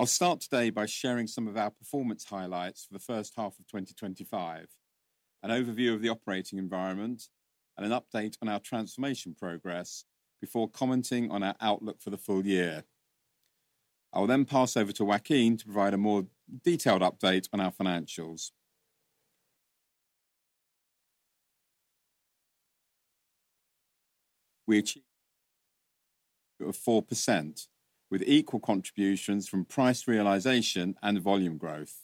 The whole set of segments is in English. I'll start today by sharing some of our performance highlights for the H1 of 2025, an overview of the operating environment, and an update on our transformation progress before commenting on our outlook for the full year. I'll then pass over to Joaquin to provide a more detailed update on our financials. We achieved a 4% with equal contributions from price realization and volume growth,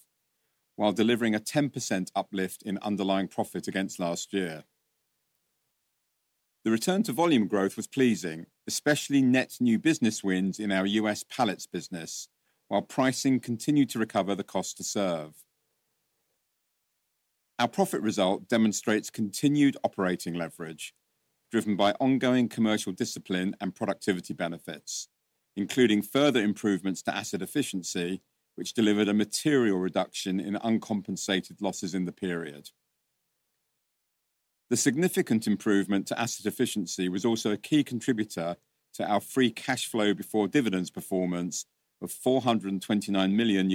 while delivering a 10% uplift in underlying profit against last year. The return to volume growth was pleasing, especially net new business wins in our U.S. pallets business, while pricing continued to recover the cost to serve. Our profit result demonstrates continued operating leverage, driven by ongoing commercial discipline and productivity benefits, including further improvements to asset efficiency, which delivered a material reduction in uncompensated losses in the period. The significant improvement to asset efficiency was also a key contributor to our free cash flow before dividends performance of $429 million,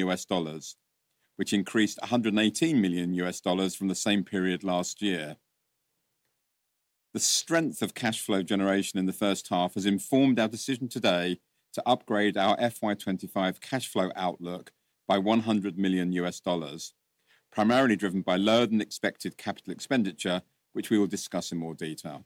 which increased $118 million from the same period last year. The strength of cash flow generation in the H1 has informed our decision today to upgrade our FY 2025 cash flow outlook by $100 million, primarily driven by lower-than-expected capital expenditure, which we will discuss in more detail.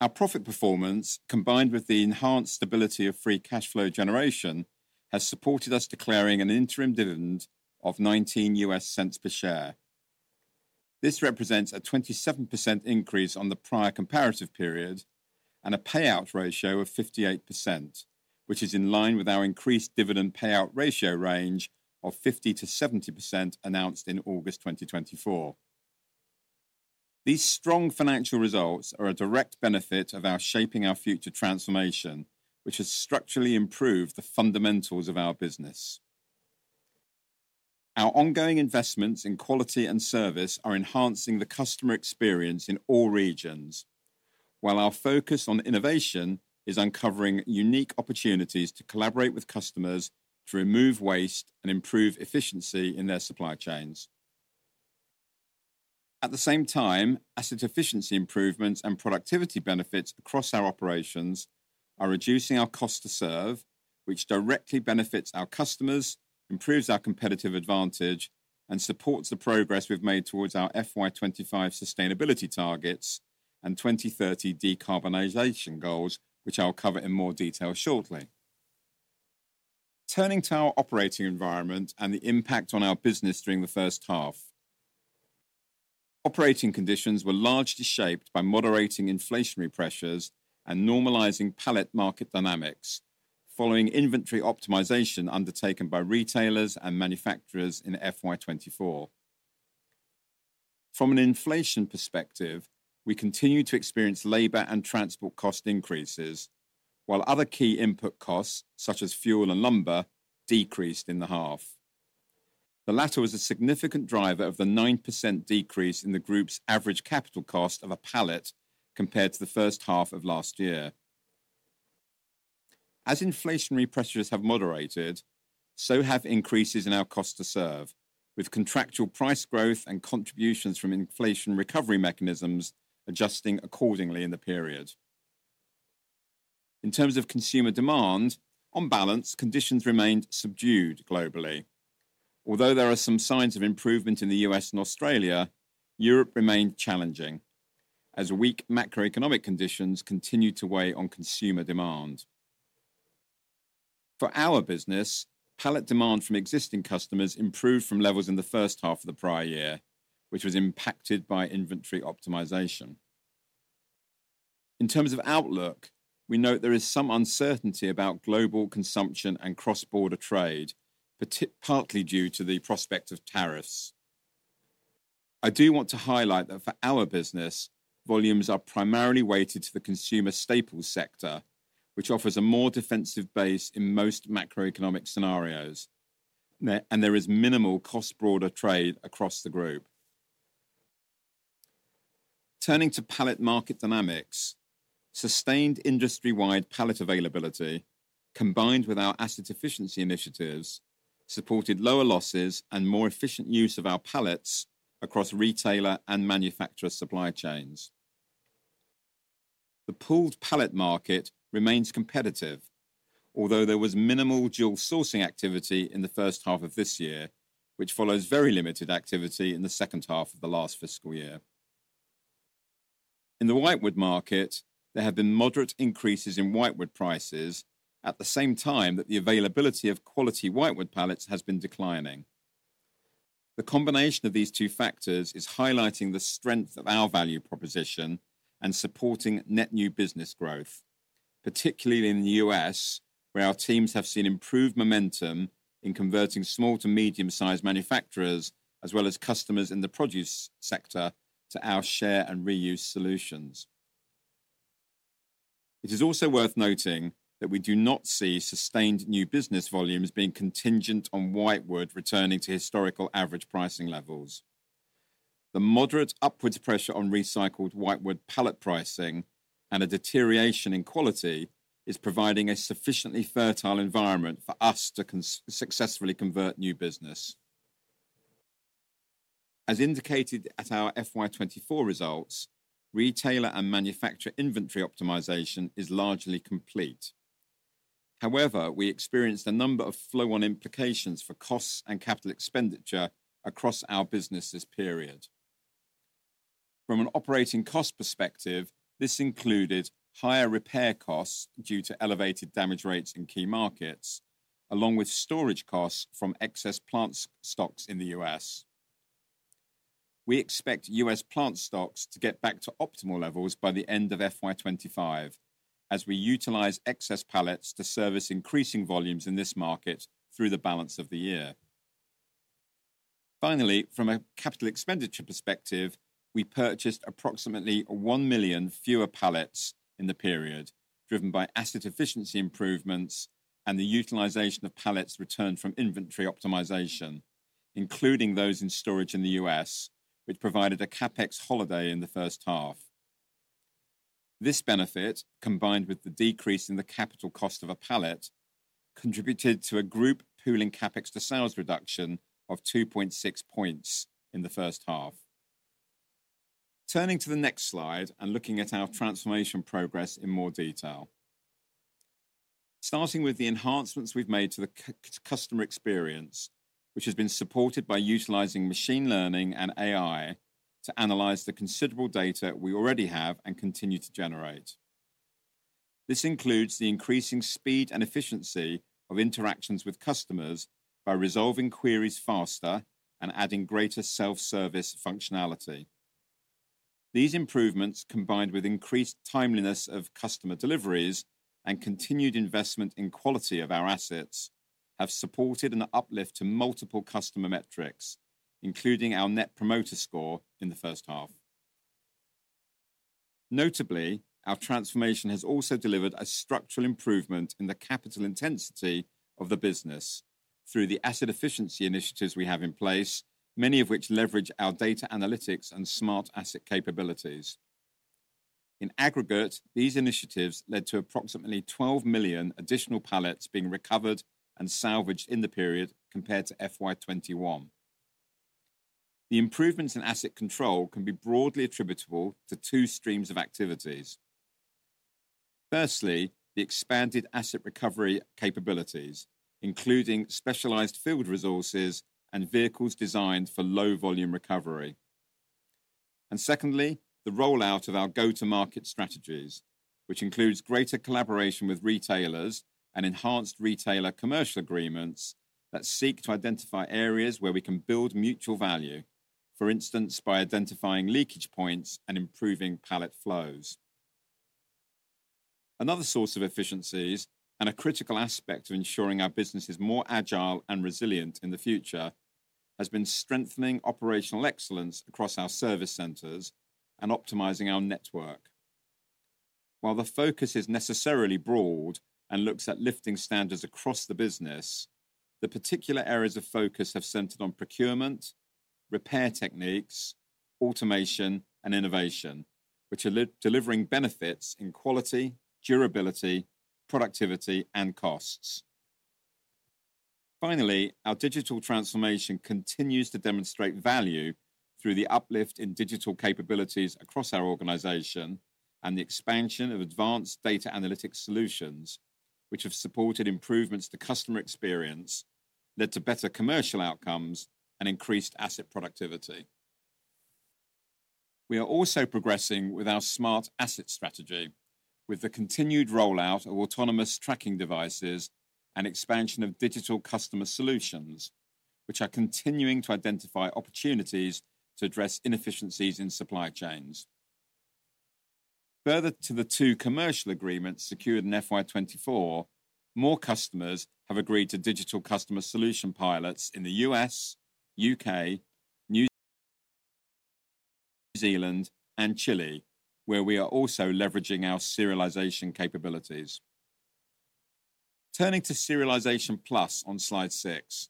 Our profit performance, combined with the enhanced stability of free cash flow generation, has supported us to declaring an interim dividend of $0.19 per share. This represents a 27% increase on the prior comparative period and a payout ratio of 58%, which is in line with our increased dividend payout ratio range of 50%-70% announced in August 2024. These strong financial results are a direct benefit of our Shaping Our Future transformation, which has structurally improved the fundamentals of our business. Our ongoing investments in quality and service are enhancing the customer experience in all regions, while our focus on innovation is uncovering unique opportunities to collaborate with customers to remove waste and improve efficiency in their supply chains. At the same time, asset efficiency improvements and productivity benefits across our operations are reducing our cost to serve, which directly benefits our customers, improves our competitive advantage, and supports the progress we've made towards our FY 2025 sustainability targets and 2030 decarbonization goals, which I'll cover in more detail shortly. Turning to our operating environment and the impact on our business during the H1, operating conditions were largely shaped by moderating inflationary pressures and normalizing pallet market dynamics, following inventory optimization undertaken by retailers and manufacturers in FY 2024. From an inflation perspective, we continue to experience labor and transport cost increases, while other key input costs, such as fuel and lumber, decreased in the half. The latter was a significant driver of the 9% decrease in the group's average capital cost of a pallet compared to the H1 of last year. As inflationary pressures have moderated, so have increases in our cost to serve, with contractual price growth and contributions from inflation recovery mechanisms adjusting accordingly in the period. In terms of consumer demand, on balance, conditions remained subdued globally. Although there are some signs of improvement in the U.S. and Australia, Europe remained challenging, as weak macroeconomic conditions continued to weigh on consumer demand. For our business, pallet demand from existing customers improved from levels in the H1 of the prior year, which was impacted by inventory optimization. In terms of outlook, we note there is some uncertainty about global consumption and cross-border trade, partly due to the prospect of tariffs. I do want to highlight that for our business, volumes are primarily weighted to the consumer staples sector, which offers a more defensive base in most macroeconomic scenarios, and there is minimal cross-border trade across the group. Turning to pallet market dynamics, sustained industry-wide pallet availability, combined with our asset efficiency initiatives, supported lower losses and more efficient use of our pallets across retailer and manufacturer supply chains. The pooled pallet market remains competitive, although there was minimal dual sourcing activity in the H1 of this year, which follows very limited activity in the H2 of the last fiscal year. In the whitewood market, there have been moderate increases in whitewood prices at the same time that the availability of quality whitewood pallets has been declining. The combination of these two factors is highlighting the strength of our value proposition and supporting net new business growth, particularly in the U.S., where our teams have seen improved momentum in converting small to medium-sized manufacturers, as well as customers in the produce sector, to our share and reuse solutions. It is also worth noting that we do not see sustained new business volumes being contingent on whitewood returning to historical average pricing levels. The moderate upward pressure on recycled whitewood pallet pricing and a deterioration in quality is providing a sufficiently fertile environment for us to successfully convert new business. As indicated at our FY 2024 results, retailer and manufacturer inventory optimization is largely complete. However, we experienced a number of flow-on implications for costs and capital expenditure across our business this period. From an operating cost perspective, this included higher repair costs due to elevated damage rates in key markets, along with storage costs from excess plant stocks in the U.S. We expect U.S. plant stocks to get back to optimal levels by the end of FY 2025, as we utilize excess pallets to service increasing volumes in this market through the balance of the year. Finally, from a capital expenditure perspective, we purchased approximately one million fewer pallets in the period, driven by asset efficiency improvements and the utilization of pallets returned from inventory optimization, including those in storage in the U.S., which provided a CapEx holiday in the H1. This benefit, combined with the decrease in the capital cost of a pallet, contributed to a group pooling CapEx to sales reduction of 2.6 points in the H1. Turning to the next slide and looking at our transformation progress in more detail, starting with the enhancements we've made to the customer experience, which has been supported by utilizing machine learning and AI to analyze the considerable data we already have and continue to generate. This includes the increasing speed and efficiency of interactions with customers by resolving queries faster and adding greater self-service functionality. These improvements, combined with increased timeliness of customer deliveries and continued investment in quality of our assets, have supported an uplift to multiple customer metrics, including our net promoter score in the H1. Notably, our transformation has also delivered a structural improvement in the capital intensity of the business through the asset efficiency initiatives we have in place, many of which leverage our data analytics and smart asset capabilities. In aggregate, these initiatives led to approximately 12 million additional pallets being recovered and salvaged in the period compared to FY 2021. The improvements in asset control can be broadly attributable to two streams of activities. Firstly, the expanded asset recovery capabilities, including specialized field resources and vehicles designed for low-volume recovery, and secondly, the rollout of our go-to-market strategies, which includes greater collaboration with retailers and enhanced retailer commercial agreements that seek to identify areas where we can build mutual value, for instance, by identifying leakage points and improving pallet flows. Another source of efficiencies and a critical aspect of ensuring our business is more agile and resilient in the future has been strengthening operational excellence across our service centers and optimizing our network. While the focus is necessarily broad and looks at lifting standards across the business, the particular areas of focus have centered on procurement, repair techniques, automation, and innovation, which are delivering benefits in quality, durability, productivity, and costs. Finally, our digital transformation continues to demonstrate value through the uplift in digital capabilities across our organization and the expansion of advanced data analytics solutions, which have supported improvements to customer experience, led to better commercial outcomes, and increased asset productivity. We are also progressing with our smart asset strategy, with the continued rollout of autonomous tracking devices and expansion of digital customer solutions, which are continuing to identify opportunities to address inefficiencies in supply chains. Further to the two commercial agreements secured in FY 2024, more customers have agreed to digital customer solution pilots in the U.S., U.K., New Zealand, and Chile, where we are also leveraging our serialization capabilities. Turning to Serialization Plus on slide six,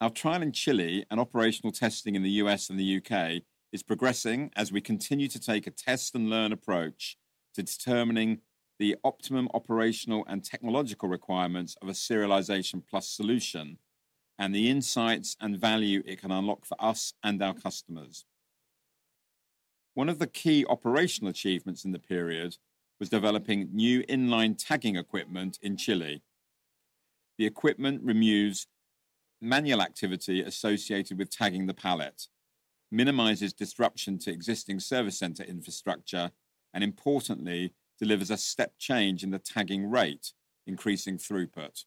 our trial in Chile and operational testing in the U.S. and the U.K. is progressing as we continue to take a test-and-learn approach to determining the optimum operational and technological requirements of a Serialization Plus solution and the insights and value it can unlock for us and our customers. One of the key operational achievements in the period was developing new inline tagging equipment in Chile. The equipment removes manual activity associated with tagging the pallet, minimizes disruption to existing service center infrastructure, and importantly, delivers a step change in the tagging rate, increasing throughput.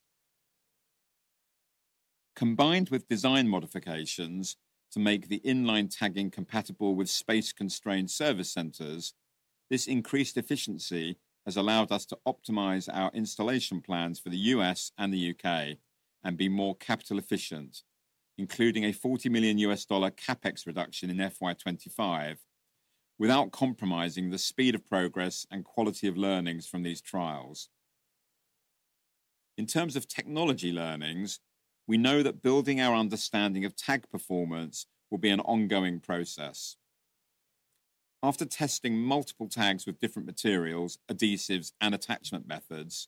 Combined with design modifications to make the inline tagging compatible with space-constrained service centers, this increased efficiency has allowed us to optimize our installation plans for the U.S. and the U.K. and be more capital efficient, including a $40 million CapEx reduction in FY 2025, without compromising the speed of progress and quality of learnings from these trials. In terms of technology learnings, we know that building our understanding of tag performance will be an ongoing process. After testing multiple tags with different materials, adhesives, and attachment methods,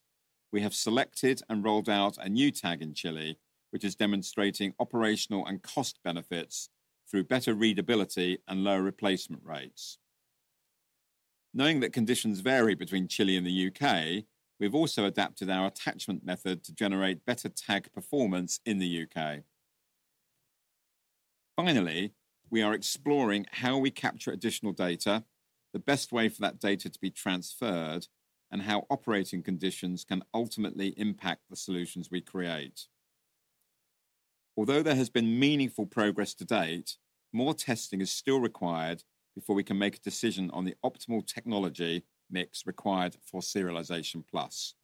we have selected and rolled out a new tag in Chile, which is demonstrating operational and cost benefits through better readability and lower replacement rates. Knowing that conditions vary between Chile and the U.K., we've also adapted our attachment method to generate better tag performance in the U.K. Finally, we are exploring how we capture additional data, the best way for that data to be transferred, and how operating conditions can ultimately impact the solutions we create. Although there has been meaningful progress to date, more testing is still required before we can make a decision on the optimal technology mix required for Serialization Plus.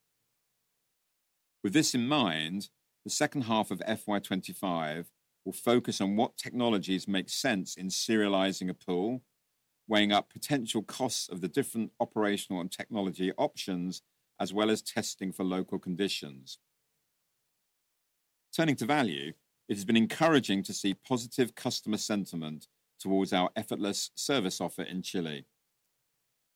With this in mind, the H2 of FY 2025 will focus on what technologies make sense in serializing a pool, weighing up potential costs of the different operational and technology options, as well as testing for local conditions. Turning to value, it has been encouraging to see positive customer sentiment towards our Effortless Service Offer in Chile.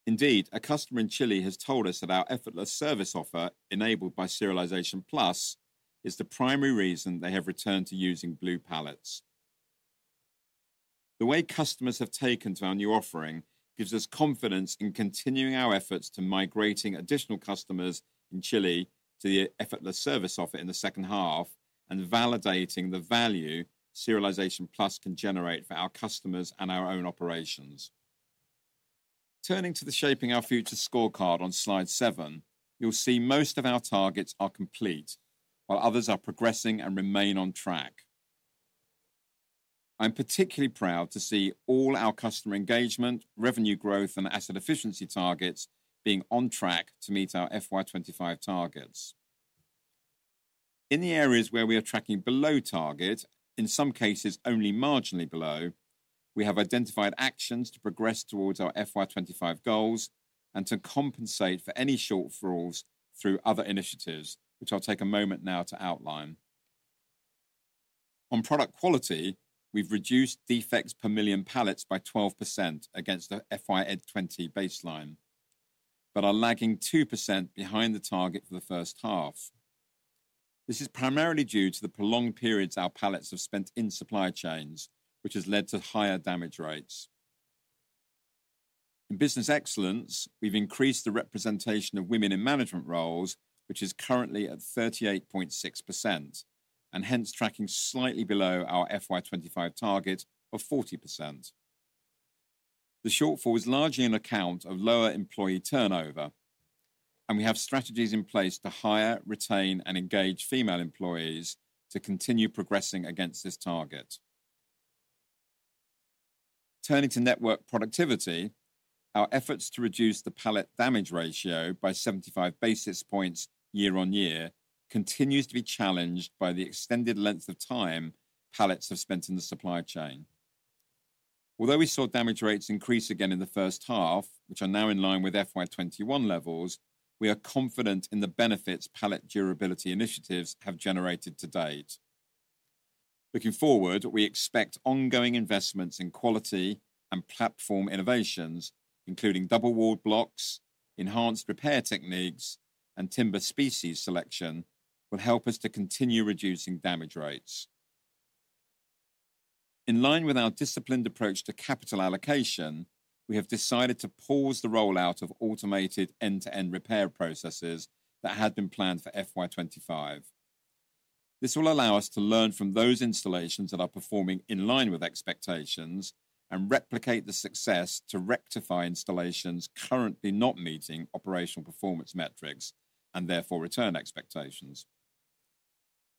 Indeed, a customer in Chile has told us that our Effortless Service Offer enabled by Serialization Plus is the primary reason they have returned to using blue pallets. The way customers have taken to our new offering gives us confidence in continuing our efforts to migrate additional customers in Chile to the effortless service offer in the H2 and validating the value Serialization Plus can generate for our customers and our own operations. Turning to the Shaping Our Future Scorecard on slide seven, you'll see most of our targets are complete, while others are progressing and remain on track. I'm particularly proud to see all our customer engagement, revenue growth, and asset efficiency targets being on track to meet our FY 2025 targets. In the areas where we are tracking below target, in some cases only marginally below, we have identified actions to progress towards our FY 2025 goals and to compensate for any shortfalls through other initiatives, which I'll take a moment now to outline. On product quality, we've reduced defects per million pallets by 12% against the FY 2020 baseline, but are lagging 2% behind the target for the H1. This is primarily due to the prolonged periods our pallets have spent in supply chains, which has led to higher damage rates. In business excellence, we've increased the representation of women in management roles, which is currently at 38.6%, and hence tracking slightly below our FY 2025 target of 40%. The shortfall is largely an account of lower employee turnover, and we have strategies in place to hire, retain, and engage female employees to continue progressing against this target. Turning to network productivity, our efforts to reduce the pallet damage ratio by 75 basis points year on year continue to be challenged by the extended length of time pallets have spent in the supply chain. Although we saw damage rates increase again in the H1, which are now in line with FY 2021 levels, we are confident in the benefits pallet durability initiatives have generated to date. Looking forward, we expect ongoing investments in quality and platform innovations, including double-walled blocks, enhanced repair techniques, and timber species selection, will help us to continue reducing damage rates. In line with our disciplined approach to capital allocation, we have decided to pause the rollout of automated end-to-end repair processes that had been planned for FY 2025. This will allow us to learn from those installations that are performing in line with expectations and replicate the success to rectify installations currently not meeting operational performance metrics and therefore return expectations.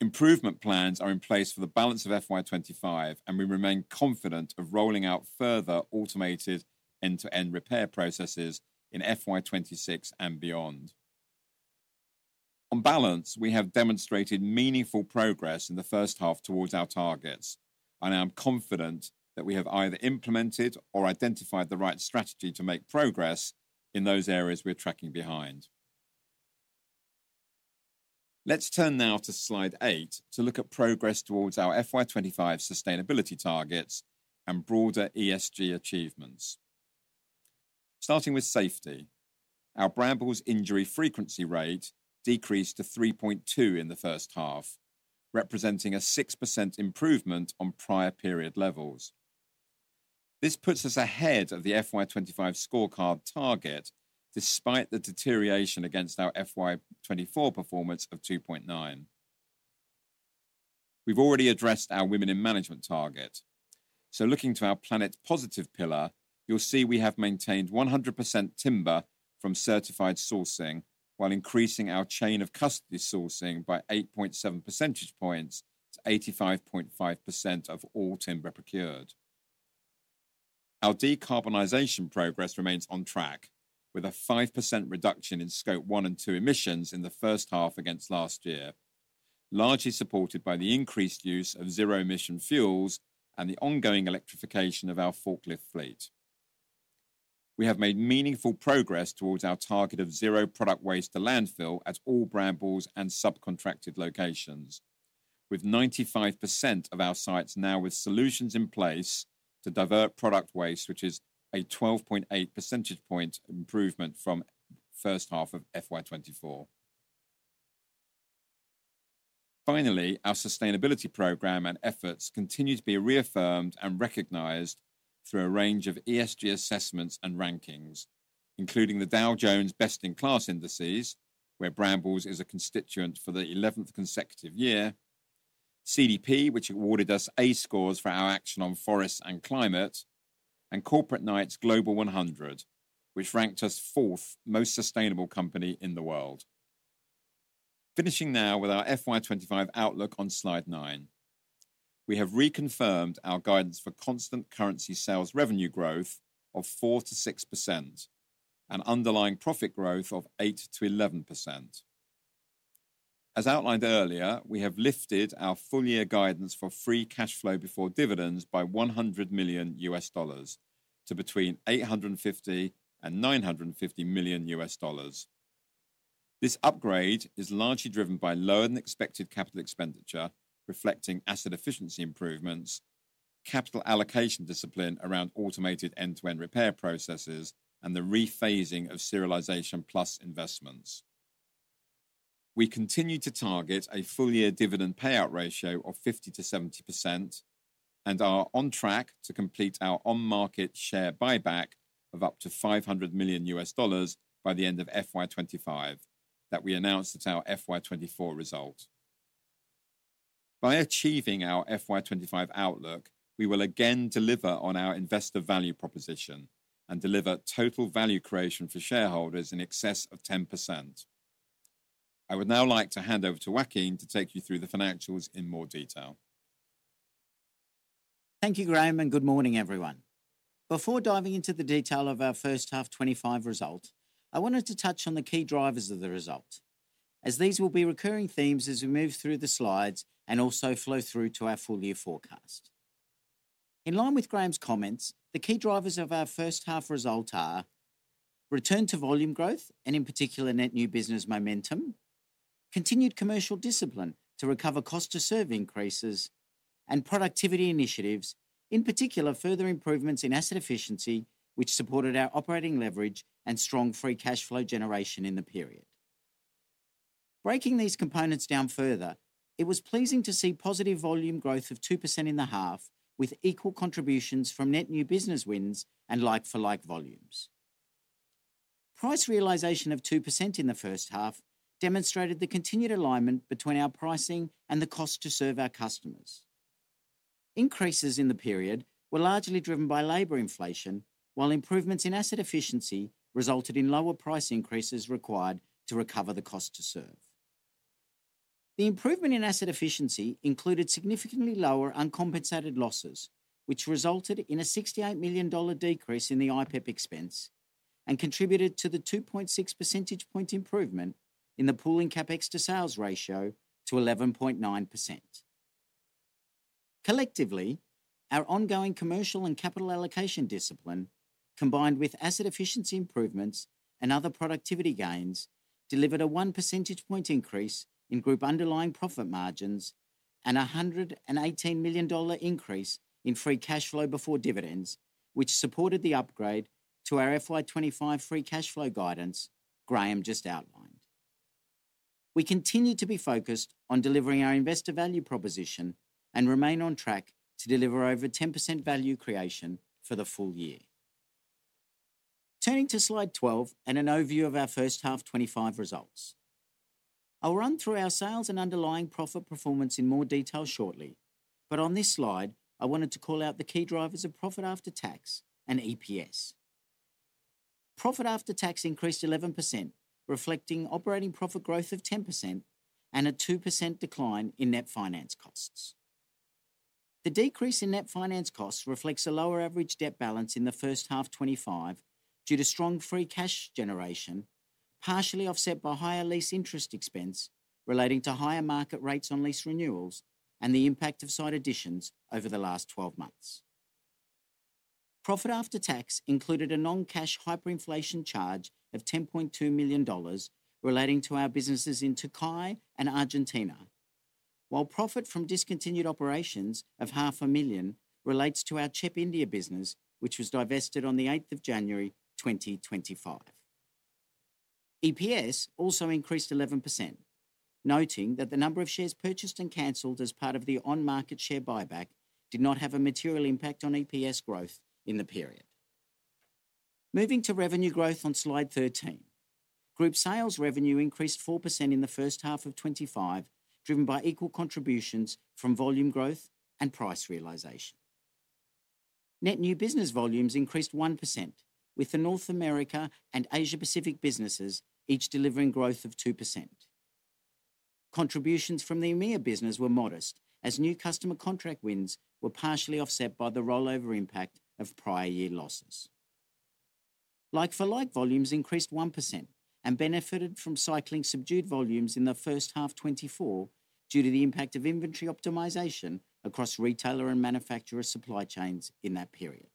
Improvement plans are in place for the balance of FY 2025, and we remain confident of rolling out further automated end-to-end repair processes in FY 2026 and beyond. On balance, we have demonstrated meaningful progress in the H1 towards our targets, and I am confident that we have either implemented or identified the right strategy to make progress in those areas we're tracking behind. Let's turn now to slide eight to look at progress towards our FY 2025 sustainability targets and broader ESG achievements. Starting with safety, our Brambles injury frequency rate decreased to 3.2 in the H1, representing a 6% improvement on prior period levels. This puts us ahead of the FY 2025 scorecard target despite the deterioration against our FY 2024 performance of 2.9. We've already addressed our women in management target, so looking to our planet positive pillar, you'll see we have maintained 100% timber from certified sourcing while increasing our chain of custody sourcing by 8.7 percentage points to 85.5% of all timber procured. Our decarbonization progress remains on track with a 5% reduction in Scope 1 and 2 emissions in the H1 against last year, largely supported by the increased use of zero-emission fuels and the ongoing electrification of our forklift fleet. We have made meaningful progress towards our target of zero product waste to landfill at all Brambles and subcontracted locations, with 95% of our sites now with solutions in place to divert product waste, which is a 12.8 percentage point improvement from the H1 of FY 2024. Finally, our sustainability program and efforts continue to be reaffirmed and recognized through a range of ESG assessments and rankings, including the Dow Jones Best in Class indices, where Brambles is a constituent for the 11th consecutive year, CDP, which awarded us A scores for our action on forests and climate, and Corporate Knights Global 100, which ranked us fourth most sustainable company in the world. Finishing now with our FY 2025 outlook on slide nine, we have reconfirmed our guidance for constant currency sales revenue growth of 4%-6% and underlying profit growth of 8%-11%. As outlined earlier, we have lifted our full-year guidance for free cash flow before dividends by $100 million to between $850 million and $950 million. This upgrade is largely driven by lower than expected capital expenditure, reflecting asset efficiency improvements, capital allocation discipline around automated end-to-end repair processes, and the rephasing of Serialization Plus investments. We continue to target a full-year dividend payout ratio of 50%-70% and are on track to complete our on-market share buyback of up to $500 million by the end of FY 2025 that we announced at our FY 2024 result. By achieving our FY 2025 outlook, we will again deliver on our investor value proposition and deliver total value creation for shareholders in excess of 10%. I would now like to hand over to Joaquin to take you through the financials in more detail. Thank you, Graham, and good morning, everyone. Before diving into the detail of our H1 2025 result, I wanted to touch on the key drivers of the result, as these will be recurring themes as we move through the slides and also flow through to our full-year forecast. In line with Graham's comments, the key drivers of our H1 result are return to volume growth, and in particular, net new business momentum, continued commercial discipline to recover cost-to-serve increases, and productivity initiatives, in particular, further improvements in asset efficiency, which supported our operating leverage and strong free cash flow generation in the period. Breaking these components down further, it was pleasing to see positive volume growth of 2% in the half with equal contributions from net new business wins and like-for-like volumes. Price realization of 2% in the H1 demonstrated the continued alignment between our pricing and the cost-to-serve our customers. Increases in the period were largely driven by labor inflation, while improvements in asset efficiency resulted in lower price increases required to recover the cost-to-serve. The improvement in asset efficiency included significantly lower uncompensated losses, which resulted in a $68 million decrease in the IPEP expense and contributed to the 2.6 percentage point improvement in the pooling CapEx to sales ratio to 11.9%. Collectively, our ongoing commercial and capital allocation discipline, combined with asset efficiency improvements and other productivity gains, delivered a 1 percentage point increase in group underlying profit margins and a $118 million increase in free cash flow before dividends, which supported the upgrade to our FY 2025 free cash flow guidance Graham just outlined. We continue to be focused on delivering our investor value proposition and remain on track to deliver over 10% value creation for the full year. Turning to slide 12 and an overview of our H1 2025 results, I'll run through our sales and underlying profit performance in more detail shortly, but on this slide, I wanted to call out the key drivers of profit after tax and EPS. Profit after tax increased 11%, reflecting operating profit growth of 10% and a 2% decline in net finance costs. The decrease in net finance costs reflects a lower average debt balance in the H1 2025 due to strong free cash generation, partially offset by higher lease interest expense relating to higher market rates on lease renewals and the impact of site additions over the last 12 months. Profit after tax included a non-cash hyperinflation charge of $10.2 million relating to our businesses in Turkey and Argentina, while profit from discontinued operations of $500,000 relates to our CHEP India business, which was divested on the 8th of January 2025. EPS also increased 11%, noting that the number of shares purchased and canceled as part of the on-market share buyback did not have a material impact on EPS growth in the period. Moving to revenue growth on slide 13, group sales revenue increased 4% in the H1 of 2025, driven by equal contributions from volume growth and price realization. Net new business volumes increased 1%, with the North America and Asia-Pacific businesses each delivering growth of 2%. Contributions from the EMEA business were modest, as new customer contract wins were partially offset by the rollover impact of prior year losses. Like-for-like volumes increased 1% and benefited from cycling subdued volumes in the H1 2024 due to the impact of inventory optimization across retailer and manufacturer supply chains in that period.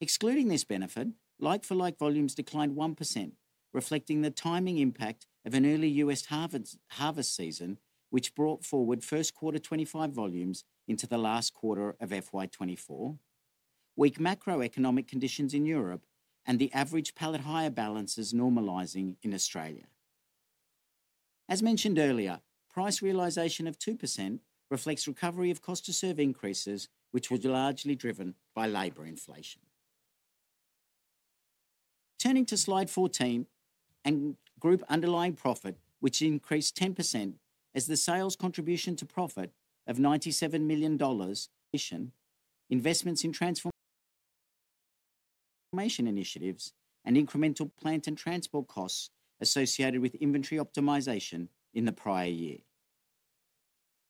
Excluding this benefit, like-for-like volumes declined 1%, reflecting the timing impact of an early U.S. harvest season, which brought forward first quarter 2025 volumes into the last quarter of FY 2024, weak macroeconomic conditions in Europe, and the average pallet hire balances normalizing in Australia. As mentioned earlier, price realization of 2% reflects recovery of cost-to-serve increases, which was largely driven by labor inflation. Turning to slide 14 and group underlying profit, which increased 10% as the sales contribution to profit of $97 million. Investments in transformation initiatives and incremental plant and transport costs associated with inventory optimization in the prior year.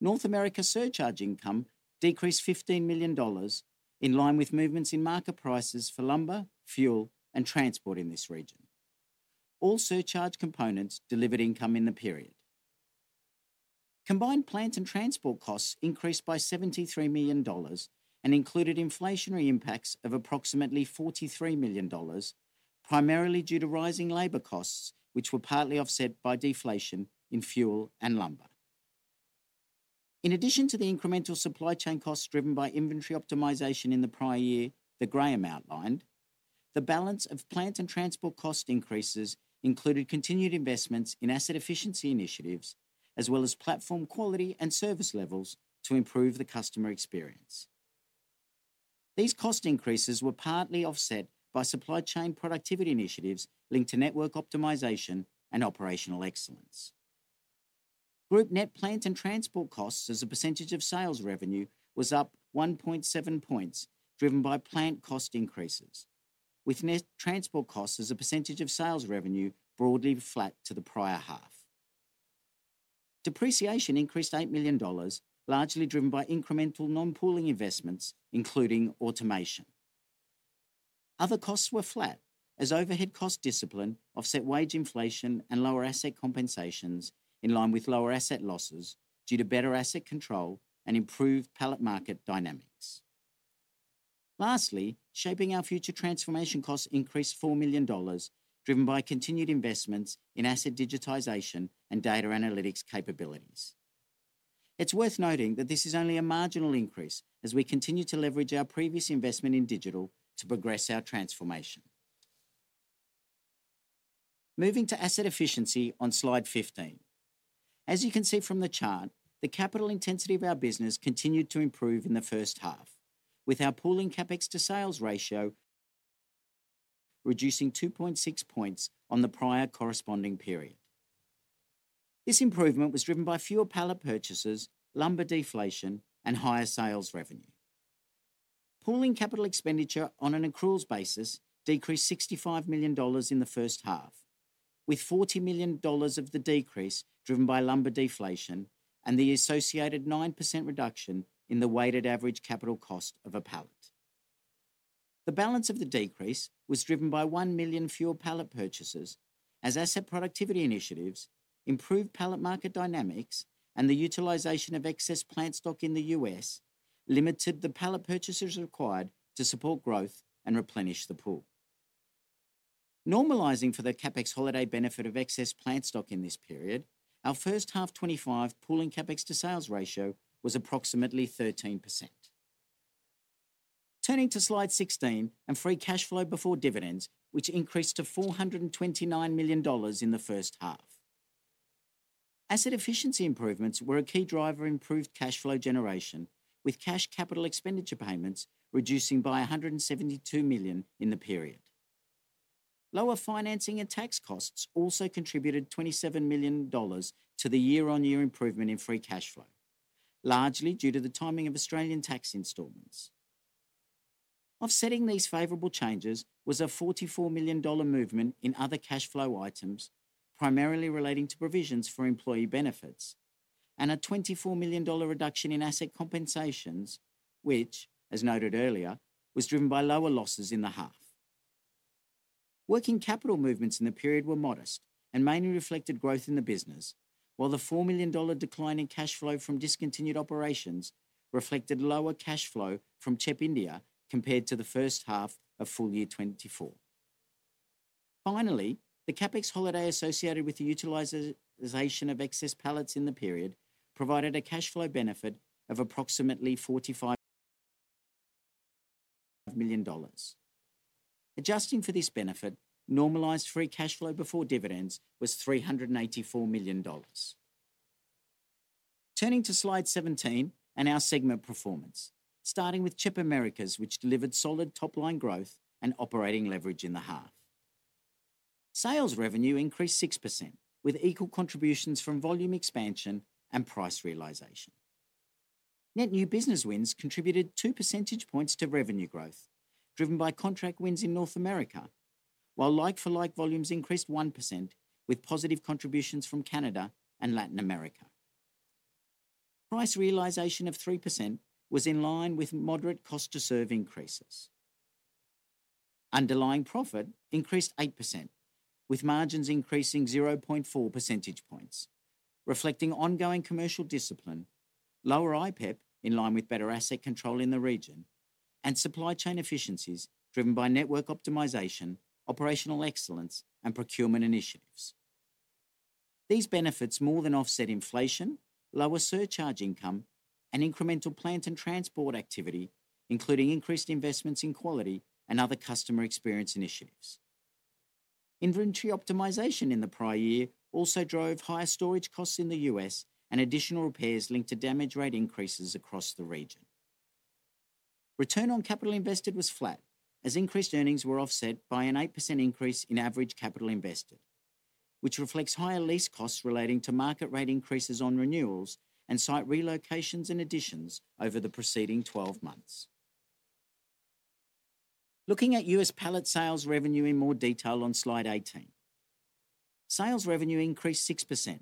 North America surcharge income decreased $15 million in line with movements in market prices for lumber, fuel, and transport in this region. All surcharge components delivered income in the period. Combined plant and transport costs increased by $73 million and included inflationary impacts of approximately $43 million, primarily due to rising labor costs, which were partly offset by deflation in fuel and lumber. In addition to the incremental supply chain costs driven by inventory optimization in the prior year that Graham outlined, the balance of plant and transport cost increases included continued investments in asset efficiency initiatives, as well as platform quality and service levels to improve the customer experience. These cost increases were partly offset by supply chain productivity initiatives linked to network optimization and operational excellence. Group net plant and transport costs as a percentage of sales revenue was up 1.7 points, driven by plant cost increases, with net transport costs as a percentage of sales revenue broadly flat to the prior half. Depreciation increased $8 million, largely driven by incremental non-pooling investments, including automation. Other costs were flat, as overhead cost discipline offset wage inflation and lower asset compensations in line with lower asset losses due to better asset control and improved pallet market dynamics. Lastly, shaping our future transformation costs increased $4 million, driven by continued investments in asset digitization and data analytics capabilities. It's worth noting that this is only a marginal increase as we continue to leverage our previous investment in digital to progress our transformation. Moving to asset efficiency on slide 15. As you can see from the chart, the capital intensity of our business continued to improve in the H1, with our pooling CapEx to sales ratio reducing 2.6 points on the prior corresponding period. This improvement was driven by fewer pallet purchases, lumber deflation, and higher sales revenue. Pooling capital expenditure on an accruals basis decreased $65 million in the H1, with $40 million of the decrease driven by lumber deflation and the associated 9% reduction in the weighted average capital cost of a pallet. The balance of the decrease was driven by one million fewer pallet purchases, as asset productivity initiatives, improved pallet market dynamics, and the utilization of excess plant stock in the U.S. limited the pallet purchases required to support growth and replenish the pool. Normalizing for the CapEx holiday benefit of excess plant stock in this period, our H1 2025 pooling CapEx to sales ratio was approximately 13%. Turning to slide 16 and free cash flow before dividends, which increased to $429 million in the H1. Asset efficiency improvements were a key driver of improved cash flow generation, with cash capital expenditure payments reducing by $172 million in the period. Lower financing and tax costs also contributed $27 million to the year-on-year improvement in free cash flow, largely due to the timing of Australian tax installments. Offsetting these favorable changes was a $44 million movement in other cash flow items, primarily relating to provisions for employee benefits, and a $24 million reduction in asset compensations, which, as noted earlier, was driven by lower losses in the half. Working capital movements in the period were modest and mainly reflected growth in the business, while the $4 million decline in cash flow from discontinued operations reflected lower cash flow from CHEP India compared to the H1 of full year 2024. Finally, the CapEx holiday associated with the utilization of excess pallets in the period provided a cash flow benefit of approximately $45 million. Adjusting for this benefit, normalized free cash flow before dividends was $394 million. Turning to slide 17 and our segment performance, starting with CHEP Americas, which delivered solid top-line growth and operating leverage in the half. Sales revenue increased 6%, with equal contributions from volume expansion and price realization. Net new business wins contributed 2 percentage points to revenue growth, driven by contract wins in North America, while like-for-like volumes increased 1%, with positive contributions from Canada and Latin America. Price realization of 3% was in line with moderate cost-to-serve increases. Underlying profit increased 8%, with margins increasing 0.4 percentage points, reflecting ongoing commercial discipline, lower IPEP in line with better asset control in the region, and supply chain efficiencies driven by network optimization, operational excellence, and procurement initiatives. These benefits more than offset inflation, lower surcharge income, and incremental plant and transport activity, including increased investments in quality and other customer experience initiatives. Inventory optimization in the prior year also drove higher storage costs in the U.S. and additional repairs linked to damage rate increases across the region. Return on capital invested was flat, as increased earnings were offset by an 8% increase in average capital invested, which reflects higher lease costs relating to market rate increases on renewals and site relocations and additions over the preceding 12 months. Looking at U.S. pallet sales revenue in more detail on slide 18. Sales revenue increased 6%,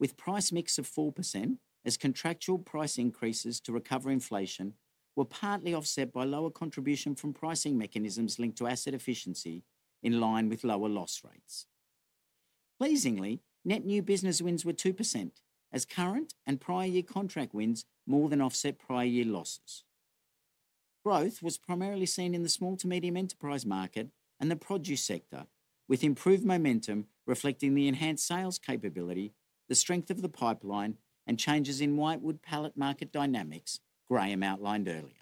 with price mix of 4% as contractual price increases to recover inflation were partly offset by lower contribution from pricing mechanisms linked to asset efficiency in line with lower loss rates. Pleasingly, net new business wins were 2%, as current and prior year contract wins more than offset prior year losses. Growth was primarily seen in the small to medium enterprise market and the produce sector, with improved momentum reflecting the enhanced sales capability, the strength of the pipeline, and changes in whitewood pallet market dynamics Graham outlined earlier.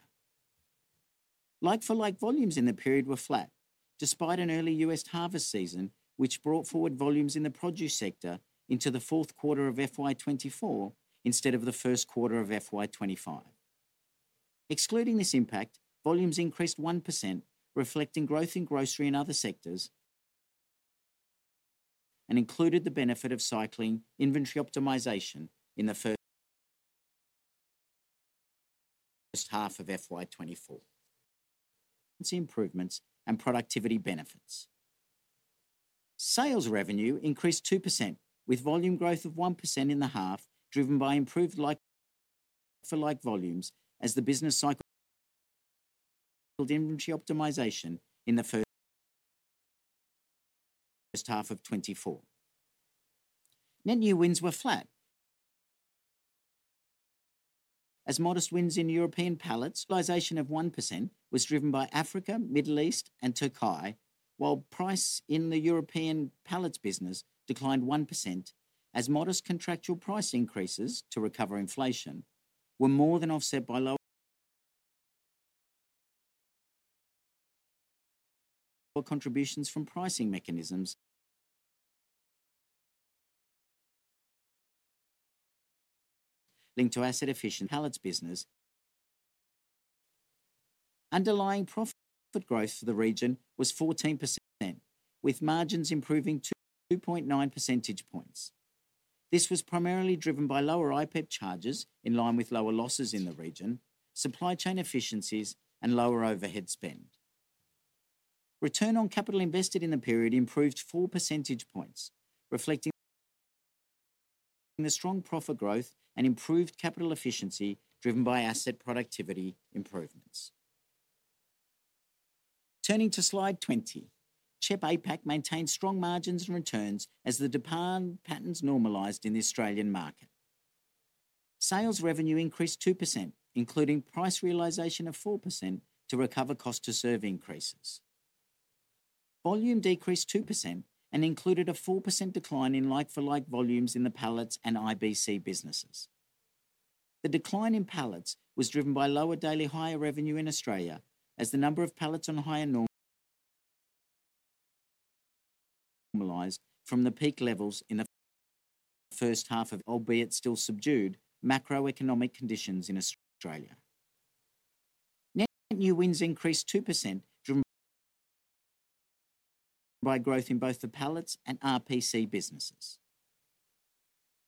Like-for-like volumes in the period were flat, despite an early U.S. harvest season, which brought forward volumes in the produce sector into the fourth quarter of FY 2024 instead of the first quarter of FY 2025. Excluding this impact, volumes increased 1%, reflecting growth in grocery and other sectors, and included the benefit of cycling inventory optimization in the H1 of FY 2024. Improvements and productivity benefits. Sales revenue increased 2%, with volume growth of 1% in the half, driven by improved like-for-like volumes as the business cycled inventory optimization in the H1 of 2024. Net new wins were flat, as modest wins in European pallets. Realization of 1% was driven by Africa, Middle East, and Turkey, while price in the European pallets business declined 1%, as modest contractual price increases to recover inflation were more than offset by lower contributions from pricing mechanisms linked to asset efficiency in the pallets business. Underlying profit growth for the region was 14%, with margins improving 2.9 percentage points. This was primarily driven by lower IPEP charges in line with lower losses in the region, supply chain efficiencies, and lower overhead spend. Return on capital invested in the period improved 4 percentage points, reflecting the strong profit growth and improved capital efficiency driven by asset productivity improvements. Turning to slide 20, CHEP APAC maintained strong margins and returns as the demand patterns normalized in the Australian market. Sales revenue increased 2%, including price realization of 4% to recover cost-to-serve increases. Volume decreased 2% and included a 4% decline in like-for-like volumes in the pallets and IBC businesses. The decline in pallets was driven by lower daily hire revenue in Australia, as the number of pallets on hire normalized from the peak levels in the H1 of 2024, albeit still subdued, macroeconomic conditions in Australia. Net new wins increased 2%, driven by growth in both the pallets and RPC businesses.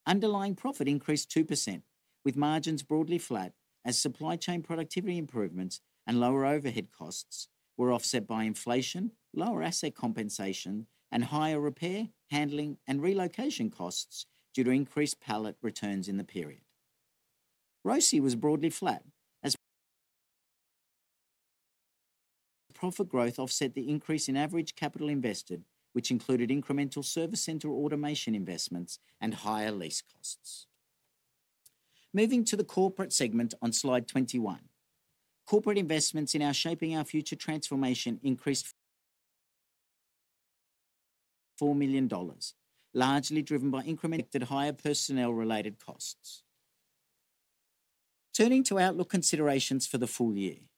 Underlying profit increased 2%, with margins broadly flat, as supply chain productivity improvements and lower overhead costs were offset by inflation, lower asset compensation, and higher repair, handling, and relocation costs due to increased pallet returns in the period. ROCI was broadly flat, as profit growth offset the increase in average capital invested, which included incremental service center automation investments and higher lease costs. Moving to the corporate segment on slide 21, corporate investments in our shaping our future transformation increased $4 million, largely driven by incremental higher personnel-related costs. Turning to outlook considerations for the full year,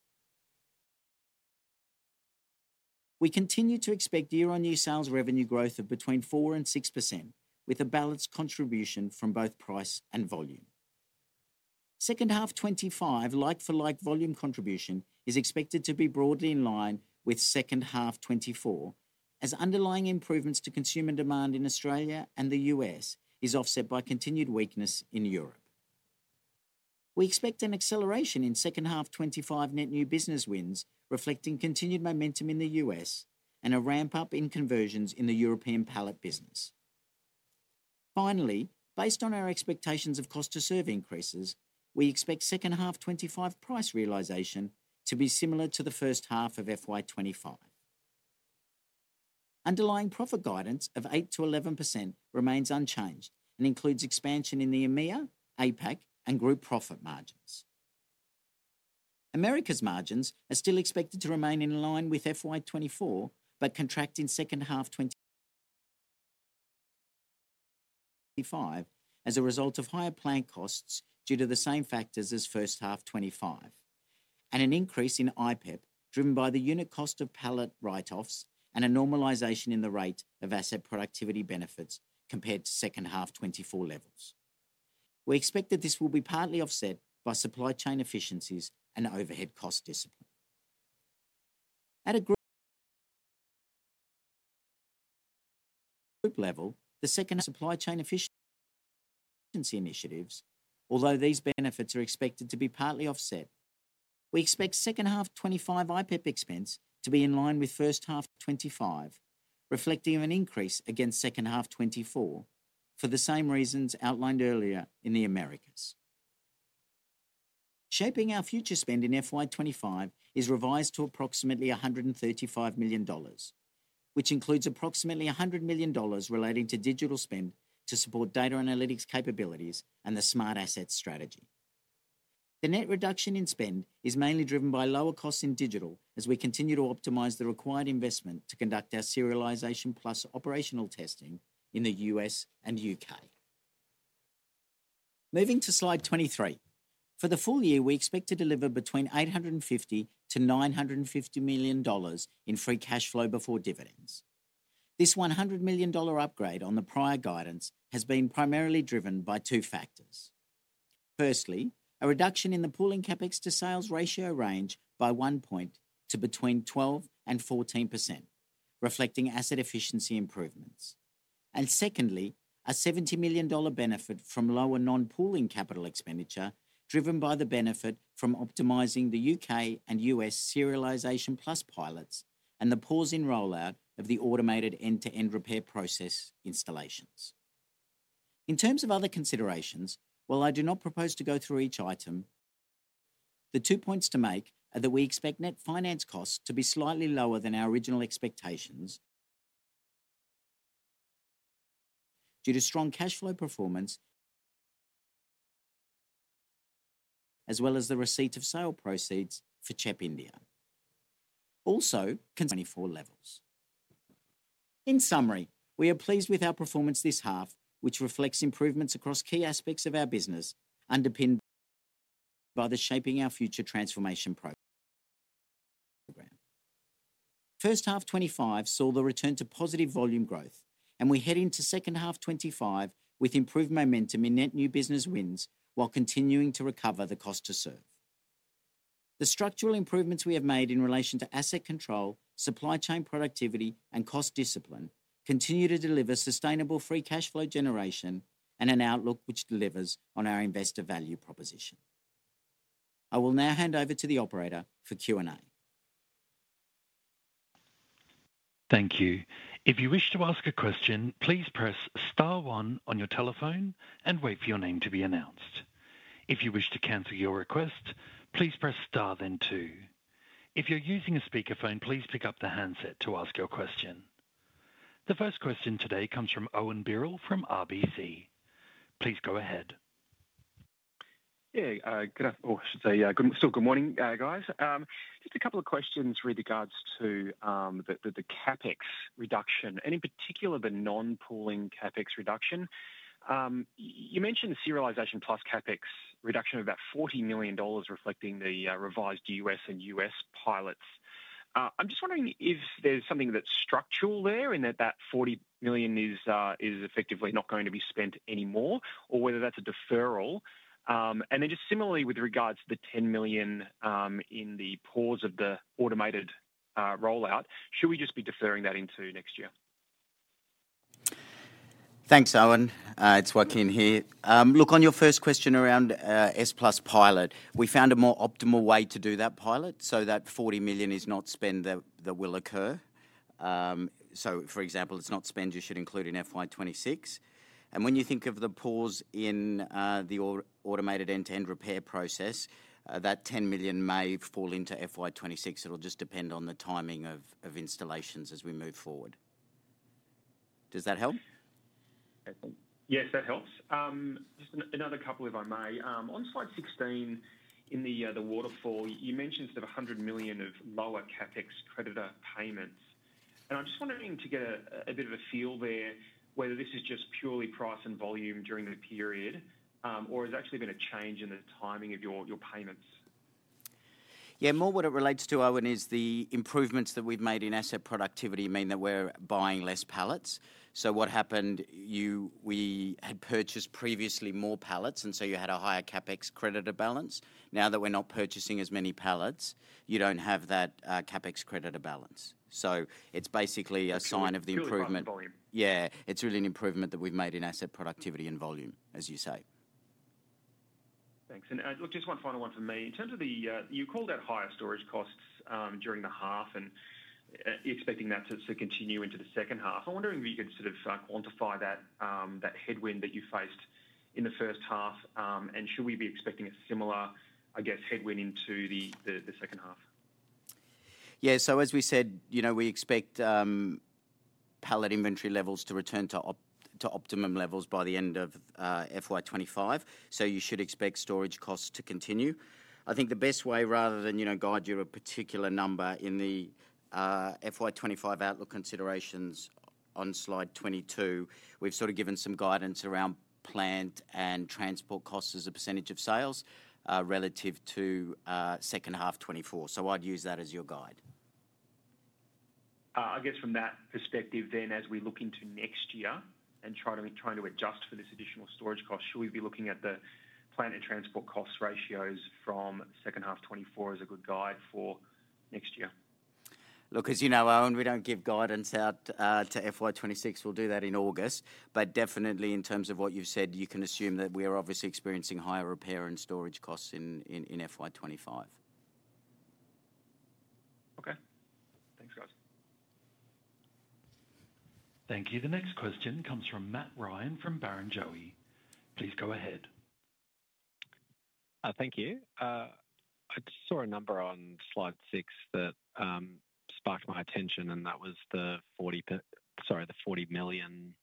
we continue to expect year-on-year sales revenue growth of between 4% and 6%, with a balanced contribution from both price and volume. H2 2025 like-for-like volume contribution is expected to be broadly in line with H2 2024, as underlying improvements to consumer demand in Australia and the U.S. is offset by continued weakness in Europe. We expect an acceleration in H2 2025 net new business wins, reflecting continued momentum in the U.S. and a ramp-up in conversions in the European pallet business. Finally, based on our expectations of cost-to-serve increases, we expect H2 2025 price realization to be similar to the H1 of FY 2025. Underlying profit guidance of 8%-11% remains unchanged and includes expansion in the EMEA, APAC, and group profit margins. Americas margins are still expected to remain in line with FY 2024, but contract in H2 2025 as a result of higher plant costs due to the same factors as H1 2025, and an increase in IPEP driven by the unit cost of pallet write-offs and a normalization in the rate of asset productivity benefits compared to H2 2024 levels. We expect that this will be partly offset by supply chain efficiencies and overhead cost discipline. At a group level, the second supply chain efficiency initiatives, although these benefits are expected to be partly offset, we expect H2 2025 IPEP expense to be in line with H1 2025, reflecting an increase against H2 2024 for the same reasons outlined earlier in the Americas. Shaping our future spend in FY 2025 is revised to approximately $135 million, which includes approximately $100 million relating to digital spend to support data analytics capabilities and the smart asset strategy. The net reduction in spend is mainly driven by lower costs in digital as we continue to optimize the required investment to conduct our Serialization Plus operational testing in the U.S. and U.K. Moving to slide 23, for the full year, we expect to deliver between $850 to $950 million in free cash flow before dividends. This $100 million upgrade on the prior guidance has been primarily driven by two factors. Firstly, a reduction in the pooling CapEx to sales ratio range by 1 point to between 12 and 14%, reflecting asset efficiency improvements. And secondly, a $70 million benefit from lower non-pooling capital expenditure driven by the benefit from optimizing the U.K. and U.S. Serialization Plus pilots and the pause in rollout of the automated end-to-end repair process installations. In terms of other considerations, while I do not propose to go through each item, the two points to make are that we expect net finance costs to be slightly lower than our original expectations due to strong cash flow performance, as well as the receipt of sale proceeds for CHEP India. Also,[24 levels]. In summary, we are pleased with our performance this half, which reflects improvements across key aspects of our business underpinned by the Shaping Our Future transformation program. H1 2025 saw the return to positive volume growth, and we head into H2 2025 with improved momentum in net new business wins while continuing to recover the cost-to-serve. The structural improvements we have made in relation to asset control, supply chain productivity, and cost discipline continue to deliver sustainable free cash flow generation and an outlook which delivers on our investor value proposition. I will now hand over to the operator for Q&A. Thank you. If you wish to ask a question, please press Star one on your telephone and wait for your name to be announced. If you wish to cancel your request, please press Star then two. If you're using a speakerphone, please pick up the handset to ask your question. The first question today comes from Owen Birrell from RBC. Please go ahead. Yeah, good afternoon. Oh, I should say, still good morning, guys. Just a couple of questions with regards to the CapEx reduction and in particular the non-pooling CapEx reduction. You mentioned Serialization Plus CapEx reduction of about $40 million, reflecting the revised U.S. and U.S. pilots. I'm just wondering if there's something that's structural there in that that $40 million is effectively not going to be spent anymore or whether that's a deferral. And then just similarly, with regards to the $10 million in the pause of the automated rollout, should we just be deferring that into next year? Thanks, Owen. It's Joaquin here. Look, on your first question around S+ pilot, we found a more optimal way to do that pilot so that $40 million is not spend that will occur. So, for example, it's not spend you should include in FY 2026. And when you think of the pause in the automated end-to-end repair process, that $10 million may fall into FY 2026. It'll just depend on the timing of installations as we move forward. Does that help? Yes, that helps. Just another couple, if I may. On slide 16 in the waterfall, you mentioned sort of $100 million of lower CapEx creditor payments. And I'm just wondering to get a bit of a feel there whether this is just purely price and volume during the period or has actually been a change in the timing of your payments. Yeah, more what it relates to, Owen, is the improvements that we've made in asset productivity mean that we're buying less pallets. So what happened, we had purchased previously more pallets, and so you had a higher CapEx creditor balance. Now that we're not purchasing as many pallets, you don't have that CapEx creditor balance. So it's basically a sign of the improvement. Yeah, it's really an improvement that we've made in asset productivity and volume, as you say. Thanks. And look, just one final one for me.In terms of the you called out higher storage costs during the half and expecting that to continue into the H2. I'm wondering if you could sort of quantify that headwind that you faced in the H1, and should we be expecting a similar, I guess, headwind into the H2? Yeah, so as we said, we expect pallet inventory levels to return to optimum levels by the end of FY 2025. So you should expect storage costs to continue. I think the best way, rather than guide you to a particular number in the FY 2025 outlook considerations on slide 22, we've sort of given some guidance around plant and transport costs as a percentage of sales relative to H2 2024. So I'd use that as your guide. I guess from that perspective then, as we look into next year and try to adjust for this additional storage cost, should we be looking at the plant and transport cost ratios from H2 2024 as a good guide for next year? Look, as you know, Owen, we don't give guidance out to FY 2026. We'll do that in August. But definitely, in terms of what you've said, you can assume that we are obviously experiencing higher repair and storage costs in FY 2025. Okay. Thanks, guys. Thank you. The next question comes from Matt Ryan from Barrenjoey. Please go ahead. Thank you. I saw a number on slide 6 that sparked my attention, and that was the $40 million